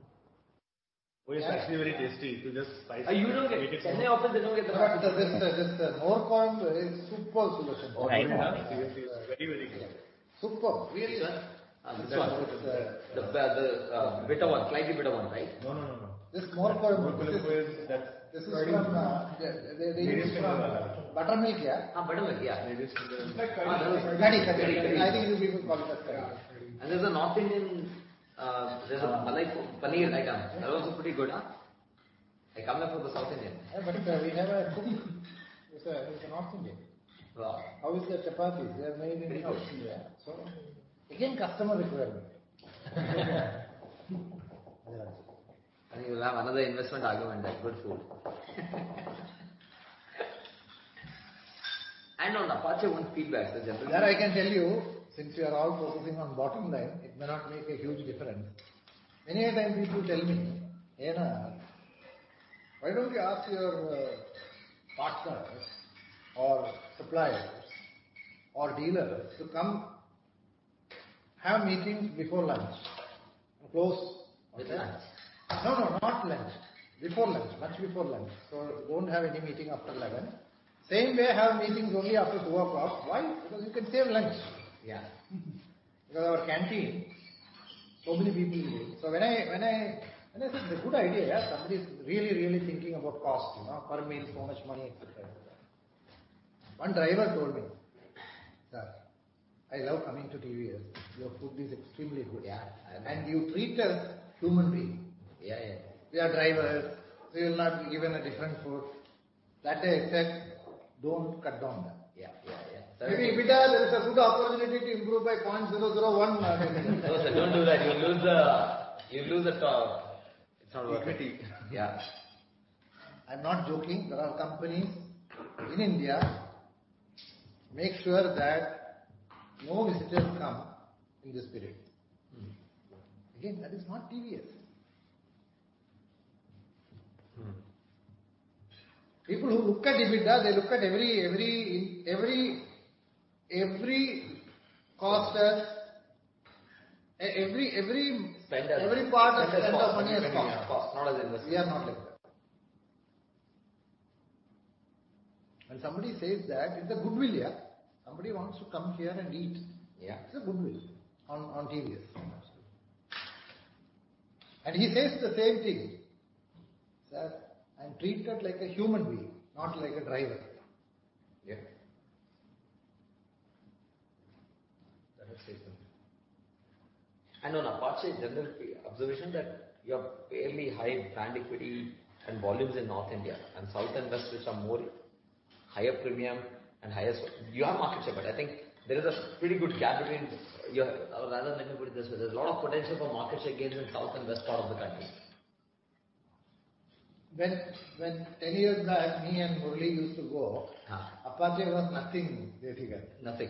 Which is actually very tasty. You just spice it. You don't get Chennai office, they don't get the. This Mor Milagai is super solution. Right. Mor Milagai is very, very good. Superb. Really sir? This one? The bitter one. Slightly bitter one, right? No, no, no. This mor kon- Mor kon is that- This is from they. Medium sweet one. Buttermilk, yeah. Buttermilk, yeah. They just- It's like curry. Curry. I think you people call it as curry. There's a North Indian. There's a paneer item. That was also pretty good. I come here for the South Indian. Yeah, we have a cook who's a North Indian. Wow. How is their chapatis? They are very, very good. Very good. Yeah. Again, customer requirement. You will have another investment argument at good food. On Apache one feedback, the general- That I can tell you, since you are all focusing on bottom line, it may not make a huge difference. Many a times people tell me, "Aina, why don't you ask your partners or suppliers or dealers to come have meetings before lunch and close. With that? No, no, not lunch. Before lunch. Much before lunch. Won't have any meeting after 11. Same way, have meetings only after 2 o'clock. Why? Because you can save lunch. Yeah. Mm-hmm. Because our canteen, so many people eat. When I said it's a good idea, somebody's really thinking about cost, you know, per meal, so much money, et cetera, et cetera. One driver told me, "Sir, I love coming to TVS. Your food is extremely good. Yeah. You treat us human being. Yeah, yeah. We are drivers. We will not be given a different food. That I expect. Don't cut down that. Yeah. Yeah. Yeah. Maybe if it has a good opportunity to improve by 0.001. No, sir. Don't do that. You'll lose the, it's not worth it. Equity. Yeah. I'm not joking. There are companies in India that make sure that no visitors come in this period. Mm-hmm. Again, that is not TVS. Mm-hmm. People who look at EBITDA, they look at every cost as. Spend as- Every part of spend of money as cost. Spend as cost. Not as investment. We are not like that. When somebody says that, it's a goodwill, yeah. Somebody wants to come here and eat. Yeah. It's a goodwill on TVS. Absolutely. He says the same thing, "Sir, and treat us like a human being, not like a driver. Yeah. Let us take them. On Apache general observation that you have fairly high brand equity and volumes in North India and South and West, which are more higher premium. You have market share. I would rather put it this way, there's a lot of potential for market share gains in South and West part of the country. When 10 years back, me and Murali used to go. Uh. Apache was nothing, K. Gopala Desikan. Nothing.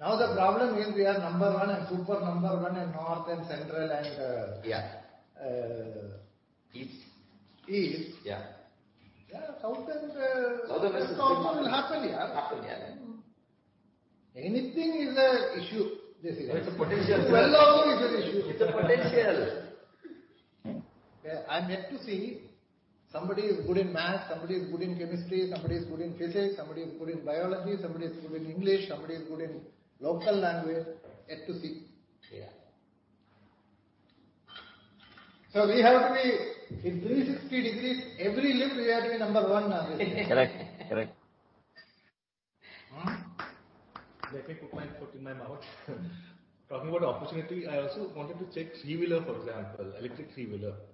Now the problem is we are number one and super number one in North and Central and, Yeah ...uh- East. East. Yeah. Yeah, South and. South and West. South will happen, yeah. Happens, yeah. Anything is an issue, Desikan. It's a potential. Well, all is an issue. It's a potential. Yeah, I'm yet to see somebody is good in math, somebody is good in chemistry, somebody is good in physics, somebody is good in biology, somebody is good in English, somebody is good in local language, yet to see. Yeah. We have to be in 360 degrees everywhere, we have to be number one, Desikan. Correct. Correct. Mm-hmm. Let me put my foot in my mouth. Talking about opportunity, I also wanted to check three-wheeler, for example, electric three-wheeler, in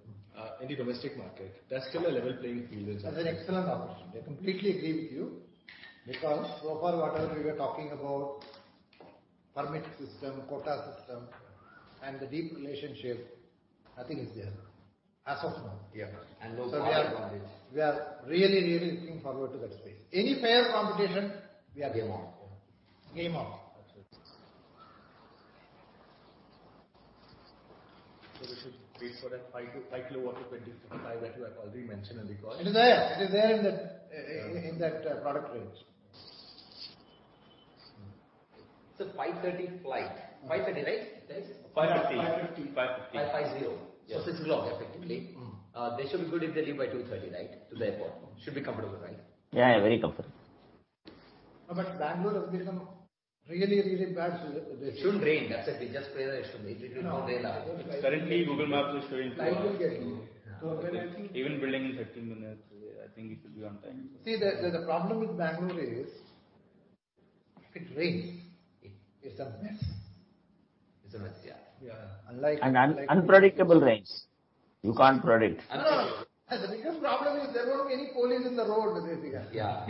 the domestic market. That's still a level playing field. That's an excellent observation. I completely agree with you because so far whatever we were talking about, permit system, quota system, and the deep relationships, nothing is there as of now. Yeah. So we are- are gone, yes. We are really, really looking forward to that space. Any fair competition, we are game on. Yeah. Game on. Absolutely. We should wait for that 5 kW-25 kW that you have already mentioned and because It is there. It is there in that product range. It's a 5:30 P.M. Flight. 5:30 P.M., right, guys? 5:50 P.M. 5:50 P.M. 5:50 P.M. 5:50 P.M. Yeah. 6:00 P.M., effectively. Mm-hmm. They should be good if they leave by 2:30 P.M., Right? To the airport. Should be comfortable, right? Yeah, yeah, very comfortable. Bangalore has become really, really bad. It shouldn't rain. That's it. We just pray that it shouldn't rain. It will not rain now. Currently, Google Maps is showing. Time will get- Even building in 30 minutes. I think it should be on time. See, the problem with Bangalore is if it rains, it is a mess. It's a mess. Yeah. Yeah. Unpredictable rains. You can't predict. No. The biggest problem is there won't be any police in the road basically. Yeah.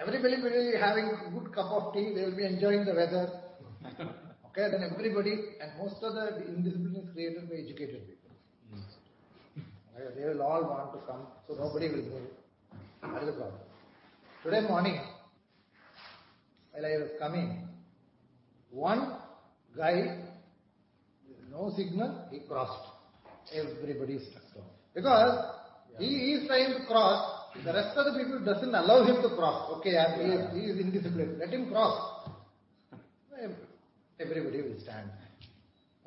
Everybody will be having good cup of tea. They will be enjoying the weather. Okay, then everybody. Most of the indiscipline is created by educated people. Mm-hmm. They will all want to come, so nobody will move. That is the problem. Today morning, while I was coming, one guy, no signal, he crossed. Everybody stopped. Yeah. He is trying to cross, the rest of the people doesn't allow him to cross. Okay, Yeah. He is indisciplined. Let him cross. Everybody will stand.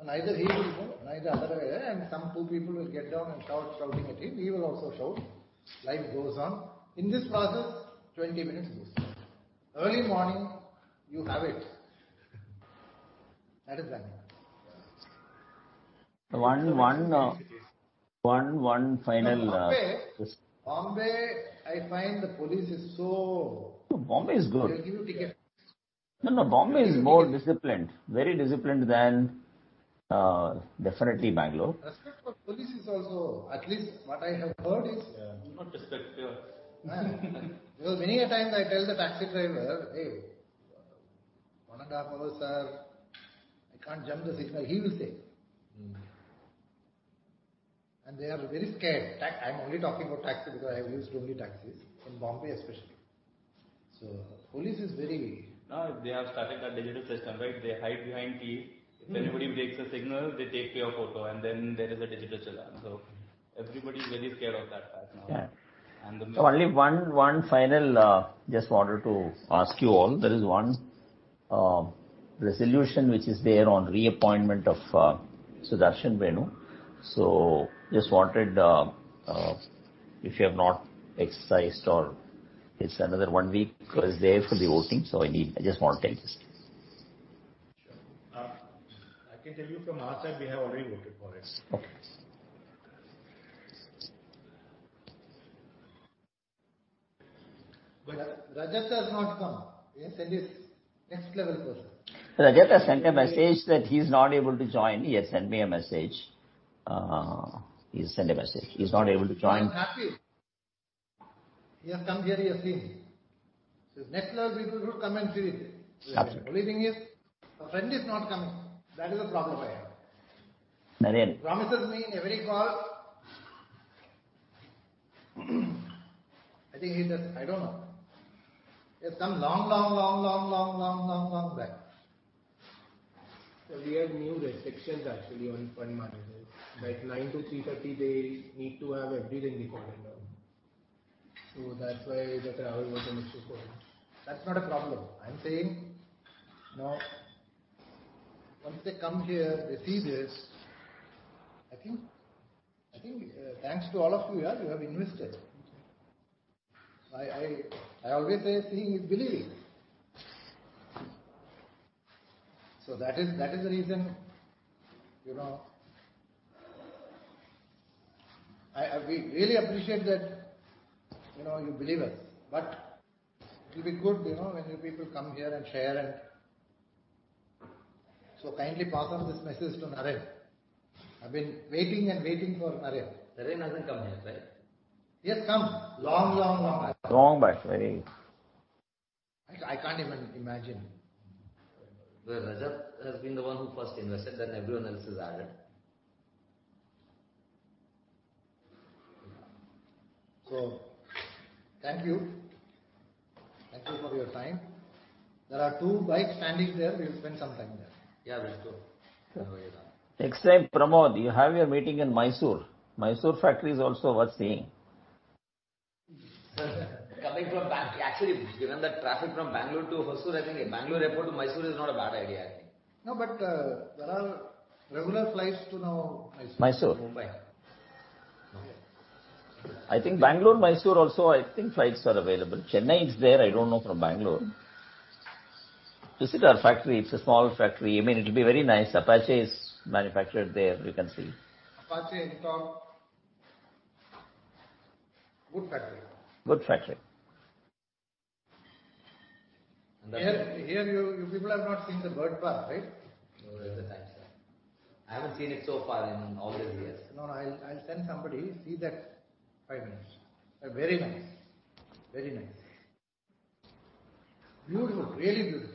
Either he will go and either other way, and some two people will get down and start shouting at him. He will also shout. Life goes on. In this process, 20 minutes goes. Early morning, you have it. That is Bangalore. One final. Bombay- Yes. Bombay, I find the police is so. No, Bombay is good. They'll give you ticket. No, no. They give you ticket. Bombay is more disciplined. Very disciplined than, definitely Bangalore. Respect for police is also, at least what I have heard is. Yeah. Not respect, fear. Because many a times I tell the taxi driver, "Hey, one and a half hours, sir. I can't jump the signal." He will say. Mm-hmm. They are very scared. I'm only talking about taxi because I have used only taxis, in Bombay especially. Police is very Now they have started a digital system, right? They hide behind trees. Mm-hmm. If anybody breaks a signal, they take your photo, and then there is a digital challan. Everybody is very scared of that now. Yeah. And the- Only one final just wanted to ask you all. There is one resolution which is there on reappointment of Sudarshan Venu. Just wanted if you have not exercised or it's another one week is there for the voting. I just want to tell this. Sure. I can tell you from our side, we have already voted for it. Okay. Rajat has not come. He has sent his next level person. Rajat has sent a message that he's not able to join. He has sent me a message. He's sent a message. He's not able to join. I'm happy he has come here, he has seen. His next level people will come and see it. Absolutely. Only thing is, a friend is not coming. That is the problem I have. Naren. Promises me in every call. I think he just. I don't know. He has come long back. Sir, we have new restrictions actually on fund managers. Like 9:00 A.M. to 3:30 P.M., they need to have everything recorded down. That's why the travel was an issue for him. That's not a problem. I'm saying, you know, once they come here, they see this, I think, thanks to all of you here, you have invested. I always say seeing is believing. That is the reason, you know. We really appreciate that, you know, you believe us. It will be good, you know, when you people come here and share. Kindly pass on this message to Naren. I've been waiting and waiting for Naren. Naren hasn't come here, right? He has come long ago. Long back. Very. I can't even imagine. Well, Rajat has been the one who first invested, then everyone else has added. Thank you. Thank you for your time. There are two bikes standing there. We'll spend some time there. Yeah, we'll go. Next time, Pramod, you have your meeting in Mysore. Mysore factory is also worth seeing. Actually, given the traffic from Bangalore to Hosur, I think Bangalore airport to Mysore is not a bad idea, I think. No, there are regular flights to now Mysore. Mysore. Mumbai. Okay. I think Bangalore-Mysore also. I think flights are available. Chennai is there. I don't know from Bangalore. Visit our factory. It's a small factory. I mean, it'll be very nice. Apache is manufactured there. You can see. Apache, Norton. Good factory. Good factory. And the- Here, you people have not seen the bird park, right? No, there's a time sir. I haven't seen it so far in all these years. No, no. I'll send somebody. See that five minutes. Very nice. Very nice. Beautiful. Really beautiful.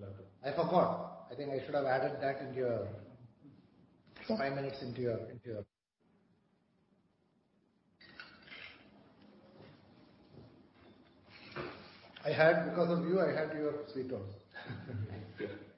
Love to. I forgot. I think I should have added that into your- Sure. Five minutes into your, because of you, I had your sweet also. Thank you. Thank you.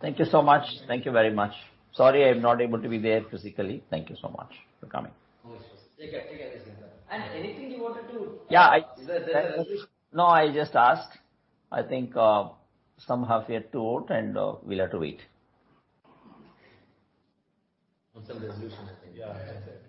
Thank you so much. Thank you very much. Sorry I'm not able to be there physically. Thank you so much for coming. Of course. Take a decent time. And anything you wanted to- Yeah. There's a resolution? No, I just asked. I think, some have yet to vote, and, we'll have to wait. On some resolution, I think. Yeah. Yeah, exactly. That's.